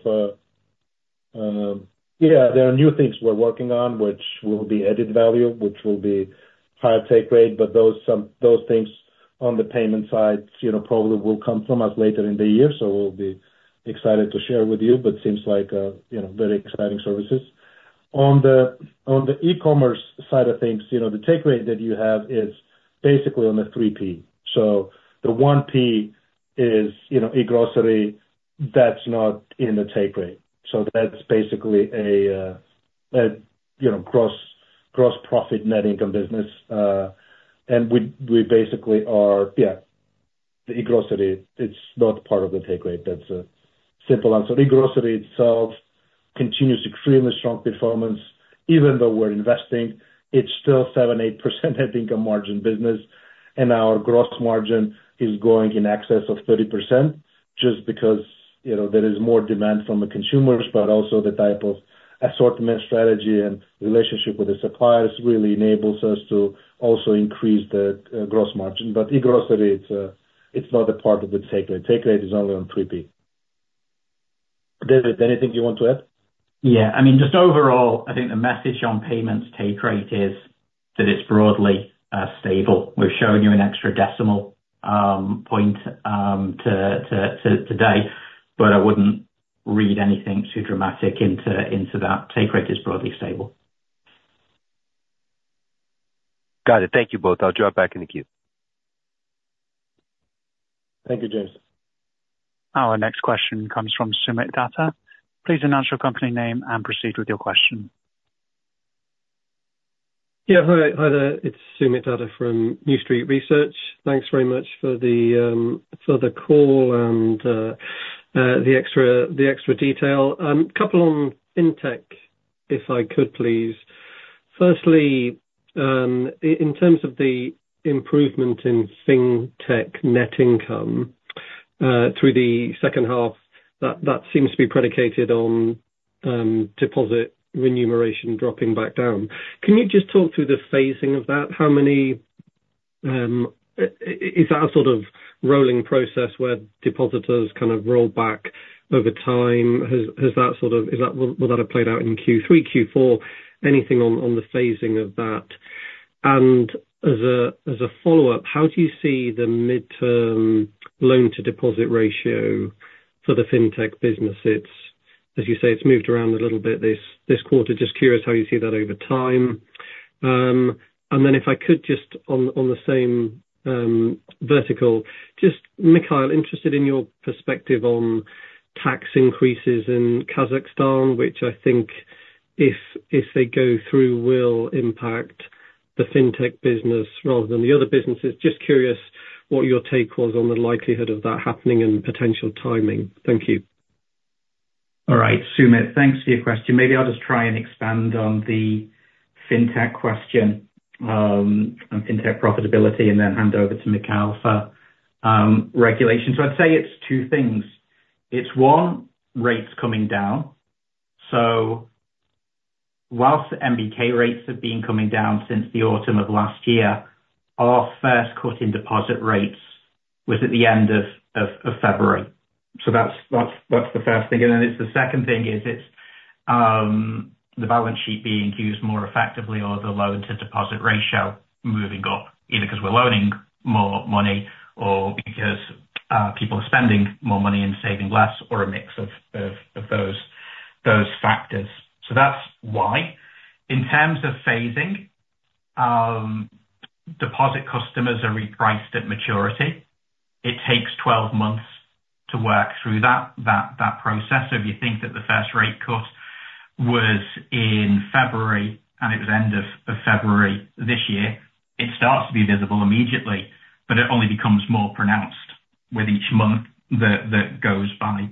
of, yeah, there are new things we're working on, which will be added value, which will be higher take rate, but those, those things on the payment side, you know, probably will come from us later in the year, so we'll be excited to share with you, but seems like, you know, very exciting services. On the e-commerce side of things, you know, the take rate that you have is basically on the 3P. So the 1P is, you know, e-grocery, that's not in the take rate. So that's basically a, a, you know, gross, gross profit, net income business. And we, we basically are... Yeah, the e-grocery, it's not part of the take rate. That's a simple answer. E-grocery itself continues extremely strong performance. Even though we're investing, it's still 7%-8% net income margin business, and our gross margin is growing in excess of 30%, just because, you know, there is more demand from the consumers, but also the type of assortment, strategy, and relationship with the suppliers really enables us to also increase the gross margin. But e-grocery, it's not a part of the take rate. Take rate is only on three P. David, anything you want to add? Yeah. I mean, just overall, I think the message on payments take rate is that it's broadly stable. We've shown you an extra decimal point to today, but I wouldn't read anything too dramatic into that. Take rate is broadly stable. Got it. Thank you both. I'll drop back in the queue. Thank you, James. Our next question comes from Soomit Datta. Please announce your company name and proceed with your question. Yeah, hi. Hi there. It's Soomit Datta from New Street Research. Thanks very much for the, for the call and, the extra, the extra detail. Couple on FinTech, if I could please. Firstly, in terms of the improvement in FinTech net income, through the second half, that, that seems to be predicated on, deposit remuneration dropping back down. Can you just talk through the phasing of that? Is that a sort of rolling process, where depositors kind of roll back over time? Has that sort of, is that—will that have played out in Q3, Q4? Anything on, on the phasing of that... As a follow-up, how do you see the midterm loan-to-deposit ratio for the Fintech business? It's, as you say, it's moved around a little bit this, this quarter. Just curious how you see that over time. And then if I could just on, on the same, vertical, just Mikheil, interested in your perspective on tax increases in Kazakhstan, which I think if, if they go through, will impact the Fintech business rather than the other businesses. Just curious what your take was on the likelihood of that happening and potential timing. Thank you. All right, Soomit, thanks for your question. Maybe I'll just try and expand on the Fintech question, on Fintech profitability, and then hand over to Mikheil for regulation. So I'd say it's two things. It's one, rates coming down. So while NBK rates have been coming down since the autumn of last year, our first cut in deposit rates was at the end of February. So that's the first thing. And then the second thing is the balance sheet being used more effectively or the loan-to-deposit ratio moving up, either 'cause we're loaning more money or because people are spending more money and saving less, or a mix of those factors. So that's why. In terms of phasing, deposit customers are repriced at maturity. It takes 12 months to work through that process. So if you think that the first rate cut was in February, and it was end of February this year, it starts to be visible immediately, but it only becomes more pronounced with each month that goes by.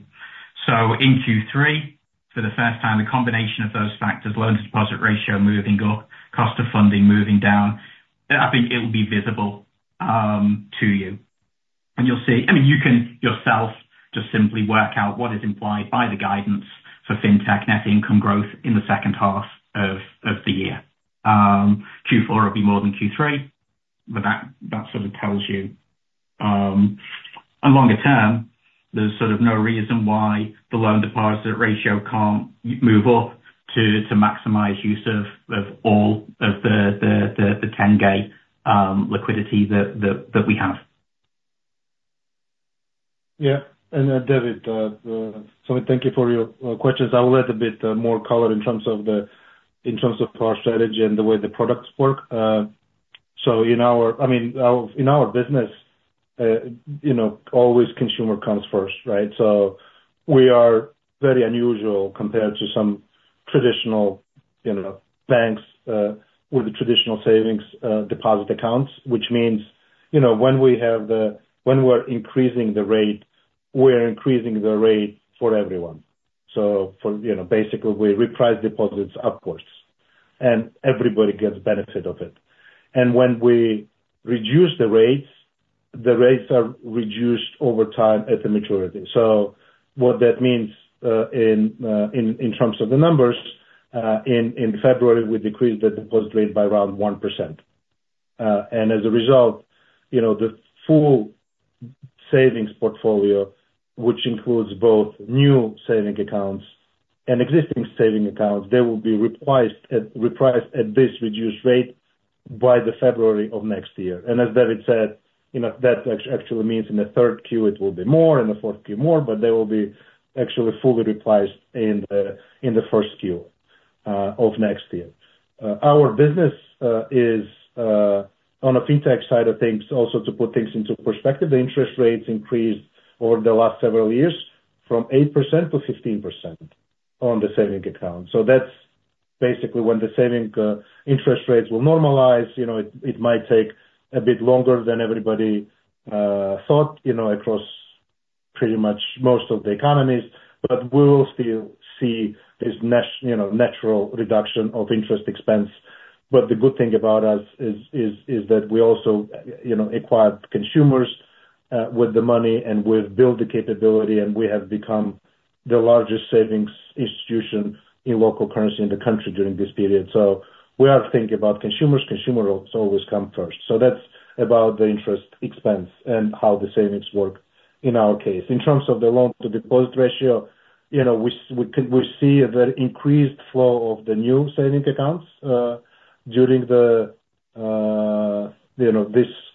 So in Q3, for the first time, the combination of those factors, loan-to-deposit ratio moving up, cost of funding moving down, I think it will be visible to you. And you'll see... I mean, you can yourself just simply work out what is implied by the guidance for Fintech net income growth in the second half of the year. Q4 will be more than Q3, but that sort of tells you, and longer term, there's sort of no reason why the loan-to-deposit ratio can't move up to maximize use of all of the tenge liquidity that we have. Yeah. And, David, so thank you for your questions. I'll add a bit more color in terms of our strategy and the way the products work. So in our, I mean, in our business, you know, always consumer comes first, right? So we are very unusual compared to some traditional, you know, banks with the traditional savings deposit accounts, which means, you know, when we're increasing the rate, we're increasing the rate for everyone. So, you know, basically, we reprice deposits upwards, and everybody gets benefit of it. And when we reduce the rates, the rates are reduced over time at the maturity. So what that means, in terms of the numbers, in February, we decreased the deposit rate by around 1%. And as a result, you know, the full savings portfolio, which includes both new savings accounts and existing savings accounts, they will be repriced at this reduced rate by the February of next year. And as David said, you know, that actually means in the third Q it will be more, in the fourth Q more, but they will be actually fully repriced in the first Q of next year. Our business is on the Fintech side of things, also to put things into perspective, the interest rates increased over the last several years from 8% to 16% on the savings account. So that's basically when the savings interest rates will normalize, you know. It might take a bit longer than everybody thought, you know, across pretty much most of the economies, but we'll still see this, you know, natural reduction of interest expense. But the good thing about us is that we also, you know, acquired consumers with the money and we've built the capability, and we have become the largest savings institution in local currency in the country during this period. So we are thinking about consumers. Consumers always come first. So that's about the interest expense and how the savings work in our case. In terms of the loan-to-deposit ratio, you know, we see a very increased flow of the new savings accounts during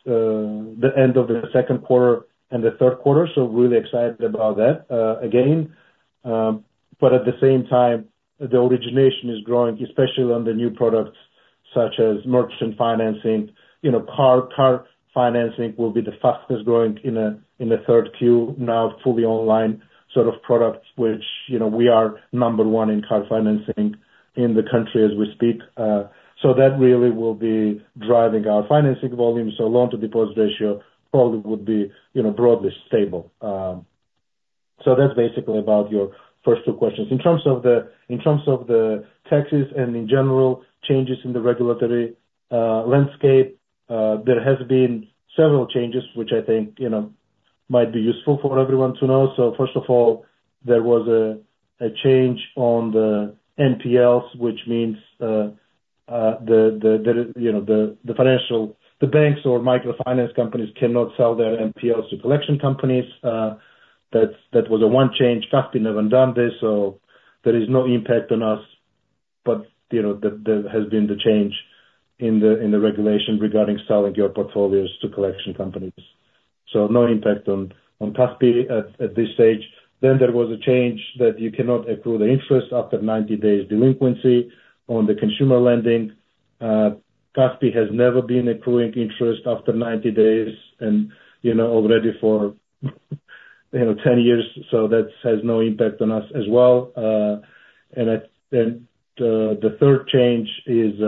the end of the second quarter and the third quarter, so really excited about that, again. But at the same time, the origination is growing, especially on the new products such as merchant financing. You know, car financing will be the fastest growing in the third Q, now fully online sort of products, which, you know, we are number one in car financing in the country as we speak. So that really will be driving our financing volume, so loan-to-deposit ratio probably would be, you know, broadly stable. So that's basically about your first two questions. In terms of the taxes and in general, changes in the regulatory landscape, there has been several changes which I think, you know, might be useful for everyone to know. So first of all, there was a change on the NPLs, which means, you know, the financial banks or microfinance companies cannot sell their NPLs to collection companies. That's, that was a one change, Kaspi never done this, so there is no impact on us. But, you know, that there has been the change in the regulation regarding selling your portfolios to collection companies. So no impact on Kaspi at this stage. Then there was a change that you cannot accrue the interest after 90 days' delinquency on the consumer lending. Kaspi has never been accruing interest after 90 days and, you know, already for, you know, 10 years, so that has no impact on us as well. And the third change is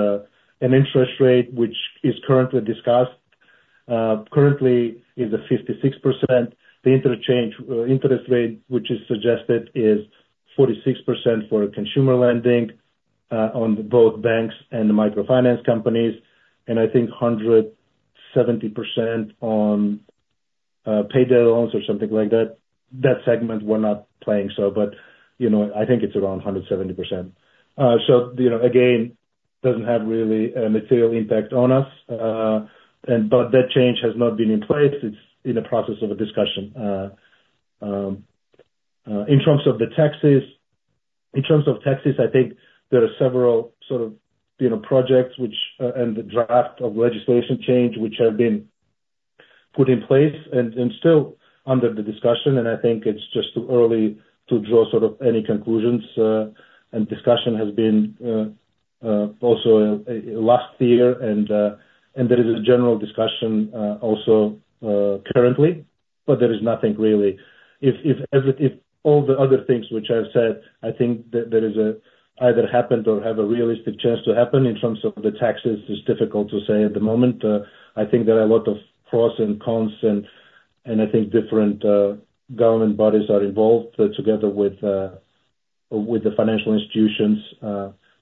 an interest rate, which is currently discussed. Currently is a 56%. The interchange interest rate, which is suggested, is 46% for consumer lending on both banks and the microfinance companies, and I think hundred and seventy percent on payday loans or something like that. That segment we're not playing so, but, you know, I think it's around hundred and seventy percent. So, you know, again, doesn't have really a material impact on us. And but that change has not been in place. It's in the process of a discussion. In terms of the taxes, in terms of taxes, I think there are several, sort of, you know, projects which and the draft of legislation change, which have been put in place and, and still under the discussion. And I think it's just too early to draw sort of any conclusions, and discussion has been, also, last year. And, and there is a general discussion, also, currently, but there is nothing really. If all the other things which I've said, I think that there is a either happened or have a realistic chance to happen in terms of the taxes, is difficult to say at the moment. I think there are a lot of pros and cons, and, and I think different government bodies are involved, together with, with the financial institutions.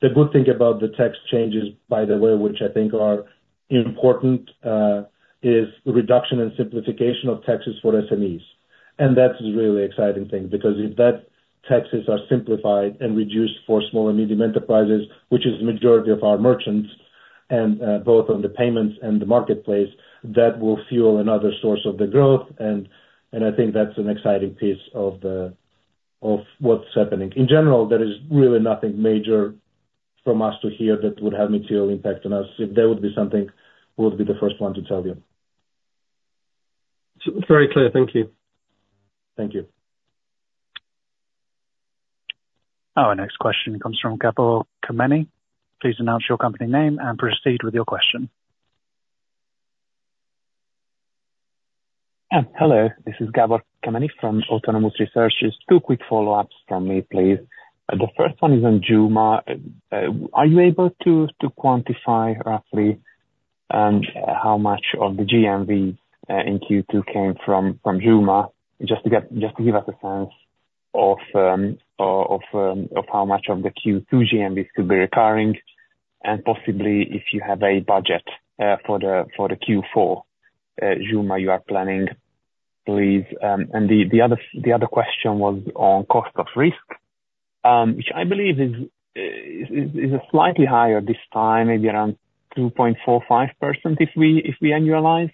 The good thing about the tax changes, by the way, which I think are important, is reduction and simplification of taxes for SMEs. And that's a really exciting thing, because if that taxes are simplified and reduced for small and medium enterprises, which is the majority of our merchants, and, both on the payments and the marketplace, that will fuel another source of the growth. And, and I think that's an exciting piece of the, of what's happening. In general, there is really nothing major from us to hear that would have material impact on us. If there would be something, we would be the first one to tell you. Very clear. Thank you. Thank you. Our next question comes from Gábor Kemeny. Please announce your company name and proceed with your question. Hello, this is Gábor Kemeny from Autonomous Research. Just two quick follow-ups from me, please. The first one is on Zhuma. Are you able to quantify roughly how much of the GMV in Q2 came from Zhuma? Just to give us a sense of how much of the Q2 GMV could be recurring, and possibly if you have a budget for the Q4 Zhuma you are planning, please. And the other question was on cost of risk, which I believe is slightly higher this time, maybe around 2.45%, if we annualize.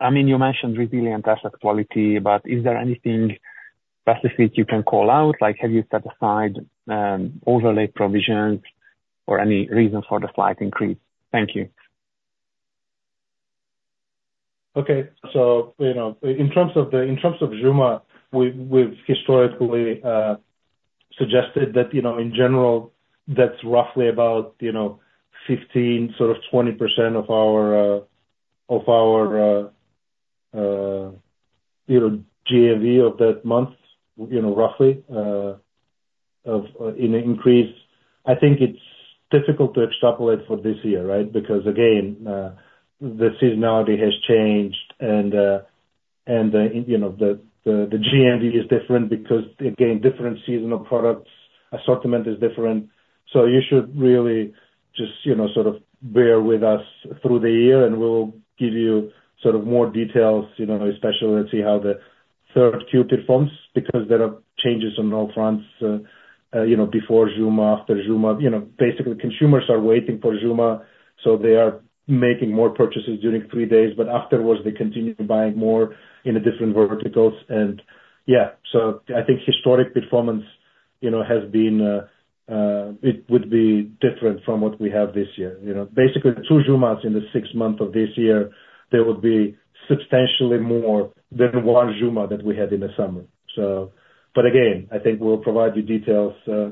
I mean, you mentioned resilient asset quality, but is there anything specific you can call out? Like, have you set aside overlay provisions or any reason for the slight increase? Thank you. Okay. So, you know, in terms of the, in terms of Zhuma, we've, we've historically suggested that, you know, in general, that's roughly about, you know, 15%-20% of our, of our, you know, GMV of that month, you know, roughly, of, in increase. I think it's difficult to extrapolate for this year, right? Because, again, the seasonality has changed and, and the, you know, the, the, the GMV is different because, again, different seasonal products, assortment is different. So you should really just, you know, sort of bear with us through the year, and we'll give you sort of more details, you know, especially let's see how the third Q performs, because there are changes on all fronts, you know, before Zhuma, after Zhuma. You know, basically, consumers are waiting for Zhuma, so they are making more purchases during three days, but afterwards, they continue to buy more in the different verticals. And yeah, so I think historic performance, you know, has been, it would be different from what we have this year. You know, basically, two Zhumas in the sixth month of this year, there would be substantially more than one Zhuma that we had in the summer. So. But again, I think we'll provide you details, as,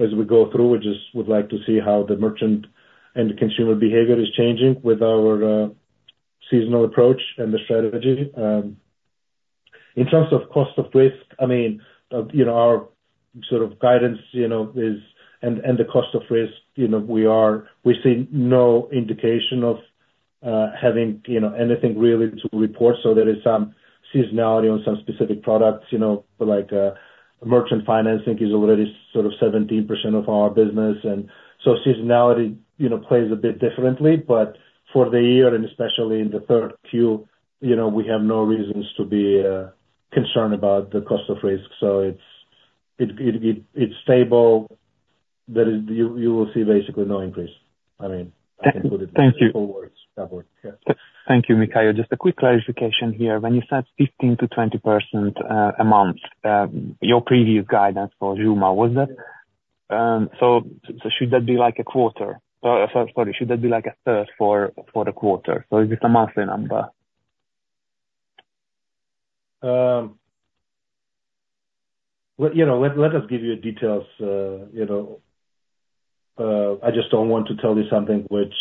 as we go through. We just would like to see how the merchant and consumer behavior is changing with our, seasonal approach and the strategy. In terms of cost of risk, I mean, you know, our sort of guidance, you know, is... And the cost of risk, you know, we see no indication of having, you know, anything really to report. So there is some seasonality on some specific products, you know, like, merchant financing is already sort of 17% of our business. And so seasonality, you know, plays a bit differently. But for the year, and especially in the third Q, you know, we have no reasons to be concerned about the cost of risk. So it's stable. That is, you will see basically no increase. I mean, I can put it- Thank you. In four words, that word. Yes. Thank you, Mikheil. Just a quick clarification here. When you said 15%-20% amount, your previous guidance for Zhuma, was that... So should that be like a quarter? Sorry, should that be like a third for the quarter, or is it a monthly number? Well, you know, let us give you the details, you know. I just don't want to tell you something which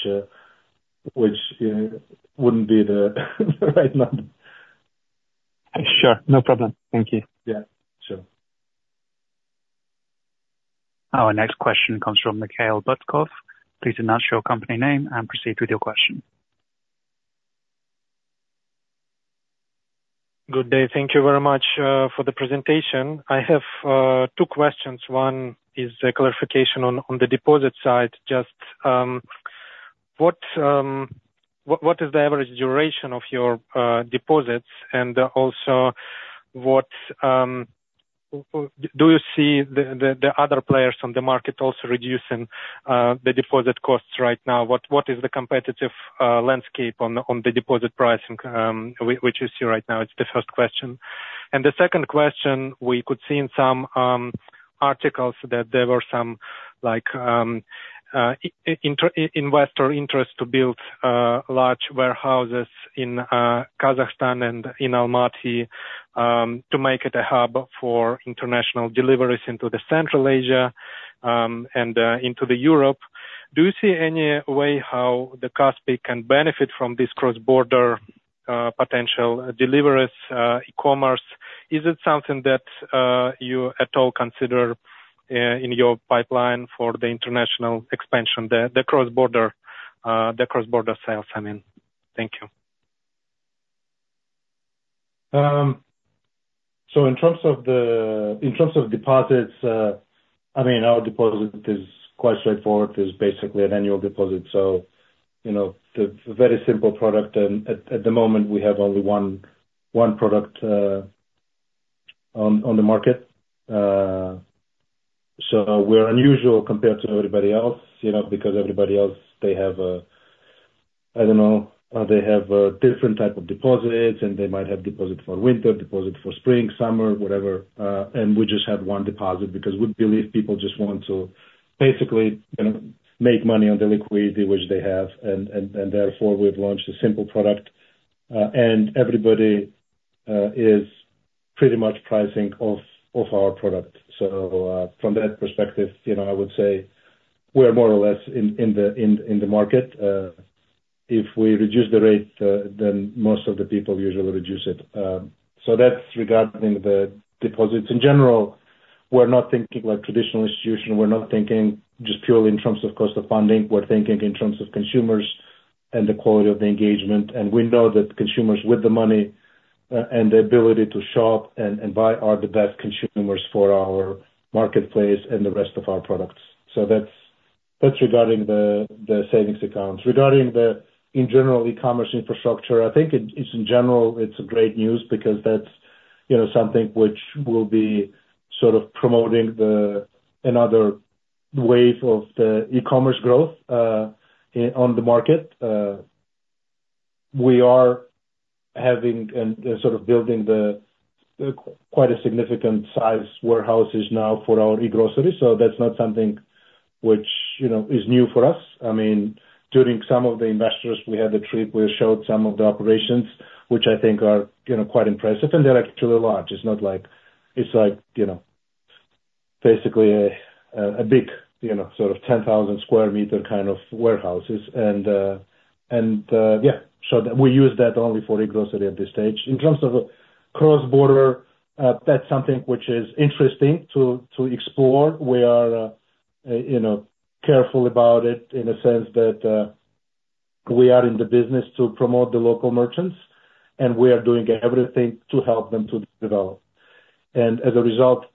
wouldn't be the right number. Sure. No problem. Thank you. Yeah. Sure. Our next question comes from Mikhail Butkov. Please announce your company name and proceed with your question. Good day. Thank you very much for the presentation. I have two questions. One is a clarification on the deposit side. Just what is the average duration of your deposits? And also, what do you see the other players on the market also reducing the deposit costs right now? What is the competitive landscape on the deposit pricing which you see right now? It's the first question. And the second question, we could see in some articles that there were some like investor interest to build large warehouses in Kazakhstan and in Almaty to make it a hub for international deliveries into the Central Asia and into the Europe. Do you see any way how the Kaspi can benefit from this cross-border potential deliveries, e-commerce? Is it something that you at all consider in your pipeline for the international expansion, the cross-border sales, I mean? Thank you. In terms of deposits, I mean, our deposit is quite straightforward. It's basically an annual deposit. So, you know, it's a very simple product, and at the moment, we have only one product on the market. So we're unusual compared to everybody else, you know, because everybody else, they have, I don't know, they have different type of deposits, and they might have deposit for winter, deposit for spring, summer, whatever. And we just have one deposit because we believe people just want to basically, you know, make money on the liquidity which they have, and therefore, we've launched a simple product, and everybody is pretty much pricing off our product. So, from that perspective, you know, I would say we're more or less in the market. If we reduce the rate, then most of the people usually reduce it. So that's regarding the deposits. In general, we're not thinking like traditional institution. We're not thinking just purely in terms of cost of funding. We're thinking in terms of consumers and the quality of the engagement, and we know that consumers with the money and the ability to shop and buy are the best consumers for our marketplace and the rest of our products. So that's regarding the savings accounts. Regarding the e-commerce infrastructure, in general, I think it's in general, it's great news because that's, you know, something which will be sort of promoting the another wave of the e-commerce growth on the market. We are having and sort of building the quite a significant size warehouses now for our e-Grocery, so that's not something which, you know, is new for us. I mean, during some of the investors, we had a trip, we showed some of the operations, which I think are, you know, quite impressive, and they're actually large. It's not like... It's like, you know, basically a big, you know, sort of 10,000 square meter kind of warehouses. And, yeah, so we use that only for e-Grocery at this stage. In terms of cross-border, that's something which is interesting to explore. We are, you know, careful about it in a sense that, we are in the business to promote the local merchants, and we are doing everything to help them to develop. As a result,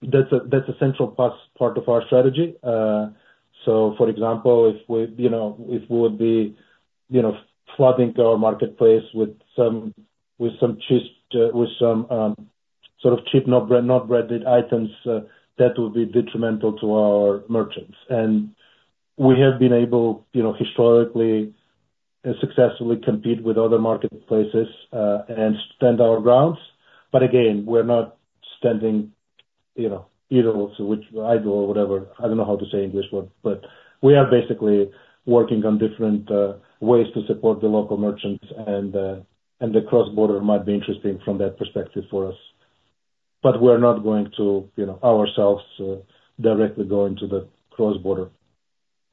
that's a central part of our strategy. So for example, if we, you know, if we would be, you know, flooding our marketplace with some cheap, sort of cheap, not brand, not branded items, that would be detrimental to our merchants. And we have been able, you know, historically, successfully compete with other marketplaces, and stand our grounds. But again, we're not standing, you know, idle, which idle or whatever, I don't know how to say English word, but we are basically working on different ways to support the local merchants, and the cross-border might be interesting from that perspective for us. But we're not going to, you know, ourselves, directly go into the cross-border,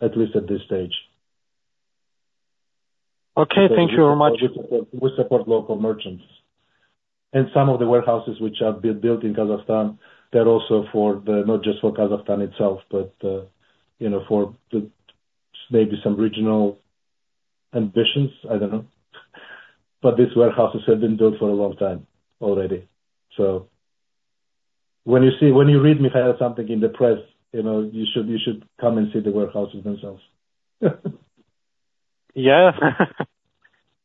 at least at this stage. Okay, thank you very much. We support local merchants, and some of the warehouses which have been built in Kazakhstan, they're also for the not just for Kazakhstan itself, but you know, for the maybe some regional ambitions, I don't know. But these warehouses have been built for a long time already. So when you see, when you read, Mikheil, something in the press, you know, you should come and see the warehouses themselves. Yeah.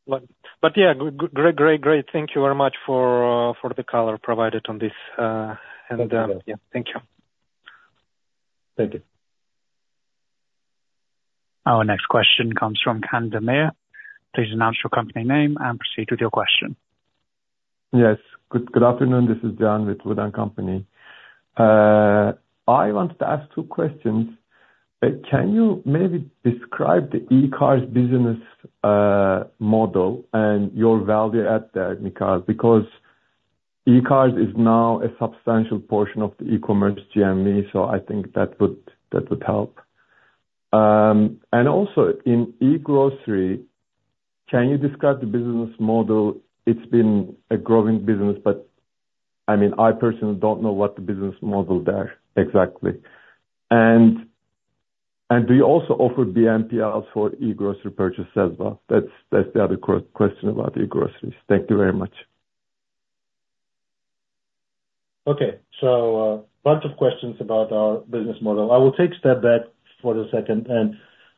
But yeah, great, great, great. Thank you very much for the color provided on this, and yeah, thank you. Thank you. Our next question comes from Can Demir. Please announce your company name and proceed with your question. Yes, good, good afternoon, this is Can with Wood & Company. I wanted to ask two questions. Can you maybe describe the e-cars business model and your value add there in cars? Because e-cars is now a substantial portion of the e-commerce GMV, so I think that would, that would help. And also, in e-grocery, can you describe the business model? It's been a growing business, but, I mean, I personally don't know what the business model there exactly. And do you also offer BNPL for e-grocery purchase as well? That's the other question about e-groceries. Thank you very much. Okay. So, bunch of questions about our business model. I will take a step back for a second, and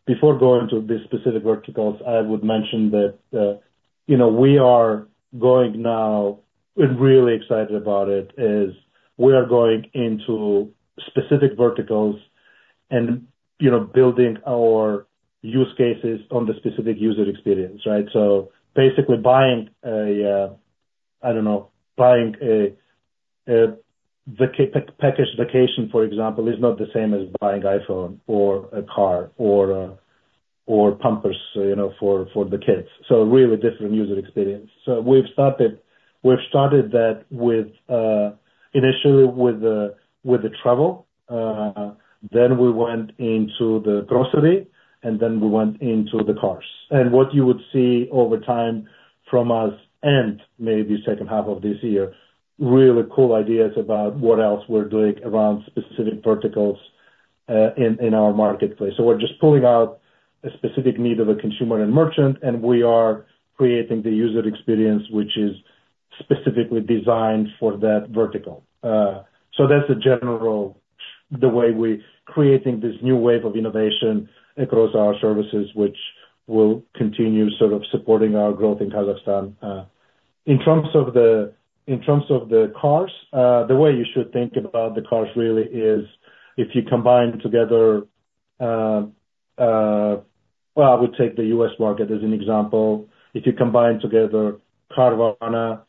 before going to the specific verticals, I would mention that, you know, we are going now, and really excited about it, is we are going into specific verticals and, you know, building our use cases on the specific user experience, right? So basically buying a, I don't know, buying a vacation package, for example, is not the same as buying iPhone or a car or, or Pampers, you know, for, for the kids. So really different user experience. So we've started, we've started that with, initially with the, with the travel, then we went into the grocery, and then we went into the cars. What you would see over time from us and maybe second half of this year, really cool ideas about what else we're doing around specific verticals, in our marketplace. So we're just pulling out a specific need of a consumer and merchant, and we are creating the user experience, which is specifically designed for that vertical. So that's the general way we're creating this new wave of innovation across our services, which will continue sort of supporting our growth in Kazakhstan. In terms of the cars, the way you should think about the cars really is if you combine together. Well, I would take the U.S. market as an example. If you combine together Carvana,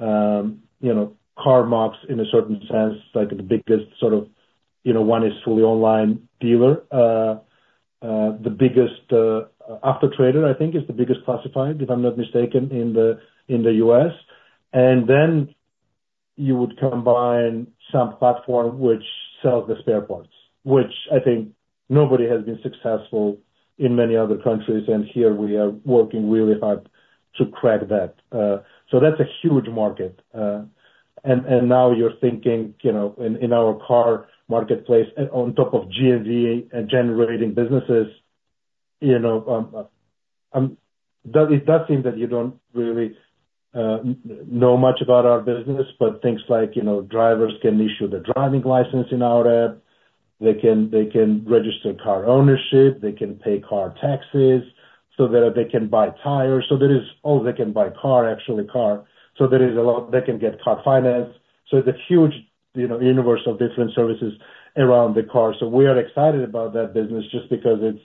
you know, CarMax in a certain sense, like the biggest sort of, you know, one is fully online dealer. The biggest, Autotrader, I think, is the biggest classified, if I'm not mistaken, in the U.S. And then you would combine some platform which sells the spare parts, which I think nobody has been successful in many other countries, and here we are working really hard to crack that. So that's a huge market. And now you're thinking, you know, in our car marketplace, on top of GMV and generating businesses, you know, that—it does seem that you don't really know much about our business, but things like, you know, drivers can issue their driving license in our app, they can register car ownership, they can pay car taxes, so that they can buy tires. So there is... Oh, they can buy car, actually car. So there is a lot; they can get car finance. So it's a huge, you know, universe of different services around the car. So we are excited about that business just because it's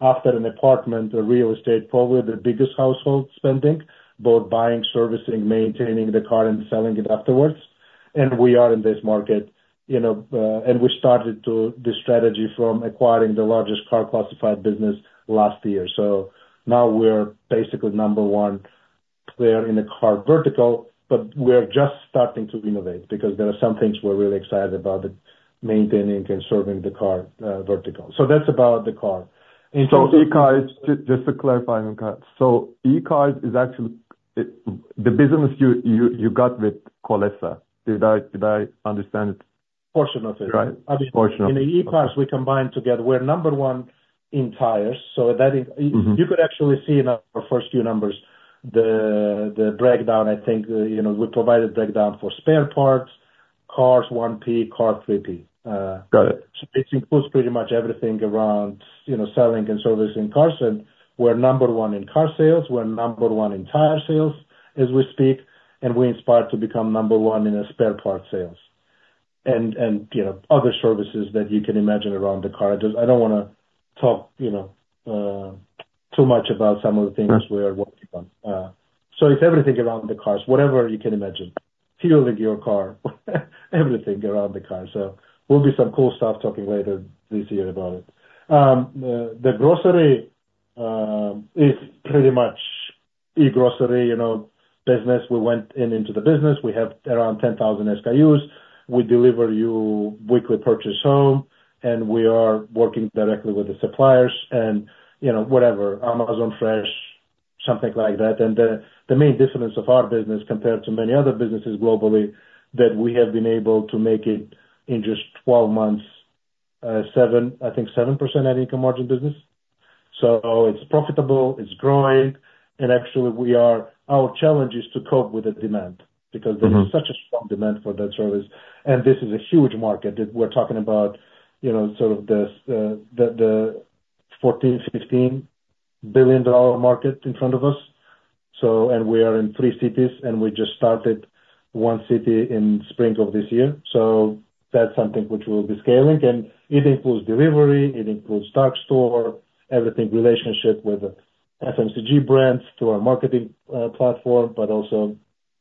after an apartment or real estate, probably the biggest household spending, both buying, servicing, maintaining the car and selling it afterwards. And we are in this market, you know, and we started to, this strategy from acquiring the largest car classified business last year. So now we're basically number one player in the car vertical, but we are just starting to innovate, because there are some things we're really excited about, the maintaining and serving the car, vertical. So that's about the car. So e-cars, just to clarify, so e-cars is actually the business you got with Kolesa. Did I understand it? Portion of it. Right. Portion of it. In the e-cars, we combine together. We're number one in tires, so that is- Mm-hmm. You could actually see in our first few numbers, the breakdown, I think, you know, we provided breakdown for spare parts, cars 1P, car 3P. Got it. It includes pretty much everything around, you know, selling and servicing cars, and we're number one in car sales, we're number one in tire sales as we speak, and we aspire to become number one in the spare part sales. And, you know, other services that you can imagine around the car. Just I don't want to talk, you know, too much about some of the things we are working on. So it's everything around the cars, whatever you can imagine. Fueling your car, everything around the car. So will be some cool stuff talking later this year about it. The grocery is pretty much e-grocery, you know, business. We went into the business. We have around 10,000 SKUs. We deliver you weekly purchase home, and we are working directly with the suppliers and, you know, whatever, Amazon Fresh, something like that. The main difference of our business compared to many other businesses globally, that we have been able to make it in just 12 months, 7, I think 7% net income margin business. It's profitable, it's growing, and actually, we are, our challenge is to cope with the demand, because- Mm-hmm... there is such a strong demand for that service, and this is a huge market that we're talking about, you know, sort of the $14 billion-$15 billion market in front of us.... So we are in three cities, and we just started one city in spring of this year. So that's something which we will be scaling. And it includes delivery, it includes dark store, everything, relationship with the FMCG brands to our marketing platform, but also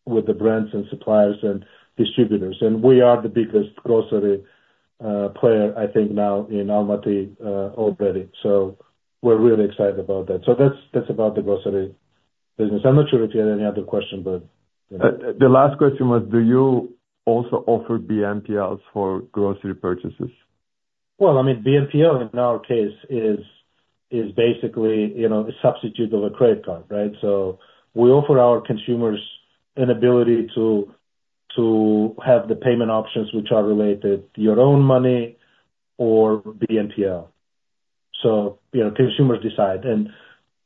with the brands and suppliers and distributors. And we are the biggest grocery player, I think now in Almaty already. So we're really excited about that. So that's, that's about the grocery business. I'm not sure if you had any other question, but- The last question was, do you also offer BNPLs for grocery purchases? Well, I mean, BNPL in our case is, is basically, you know, a substitute of a credit card, right? So we offer our consumers an ability to, to have the payment options, which are related, your own money or BNPL. So, you know, consumers decide. And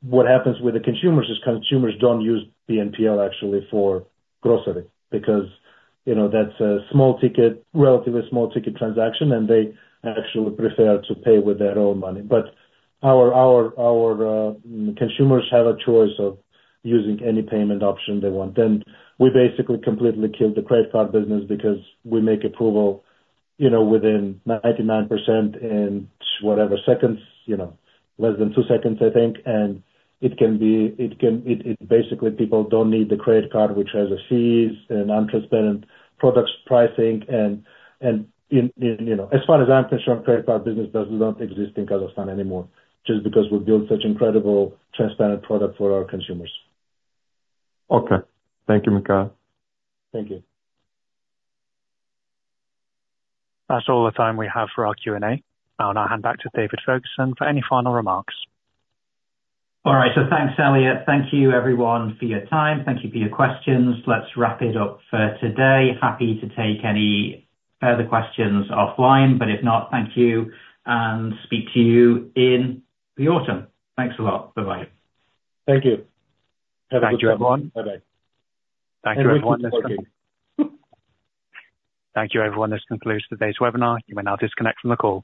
what happens with the consumers is, consumers don't use BNPL actually for grocery because, you know, that's a small ticket, relatively small ticket transaction, and they actually prefer to pay with their own money. But our, our, our consumers have a choice of using any payment option they want. And we basically completely killed the credit card business because we make approval, you know, within 99% in whatever seconds, you know, less than two seconds, I think. And it can be... It basically people don't need the credit card, which has fees and untransparent products pricing and in, you know. As far as I'm concerned, credit card business does not exist in Kazakhstan anymore, just because we built such incredible, transparent product for our consumers. Okay. Thank you, Mikheil. Thank you. That's all the time we have for our Q&A. I'll now hand back to David Ferguson for any final remarks. All right. Thanks, Elliot. Thank you everyone for your time. Thank you for your questions. Let's wrap it up for today. Happy to take any further questions offline, but if not, thank you, and speak to you in the autumn. Thanks a lot. Bye-bye. Thank you. Thank you, everyone. Bye-bye. Thank you, everyone. Thank you. Thank you, everyone. This concludes today's webinar. You may now disconnect from the call.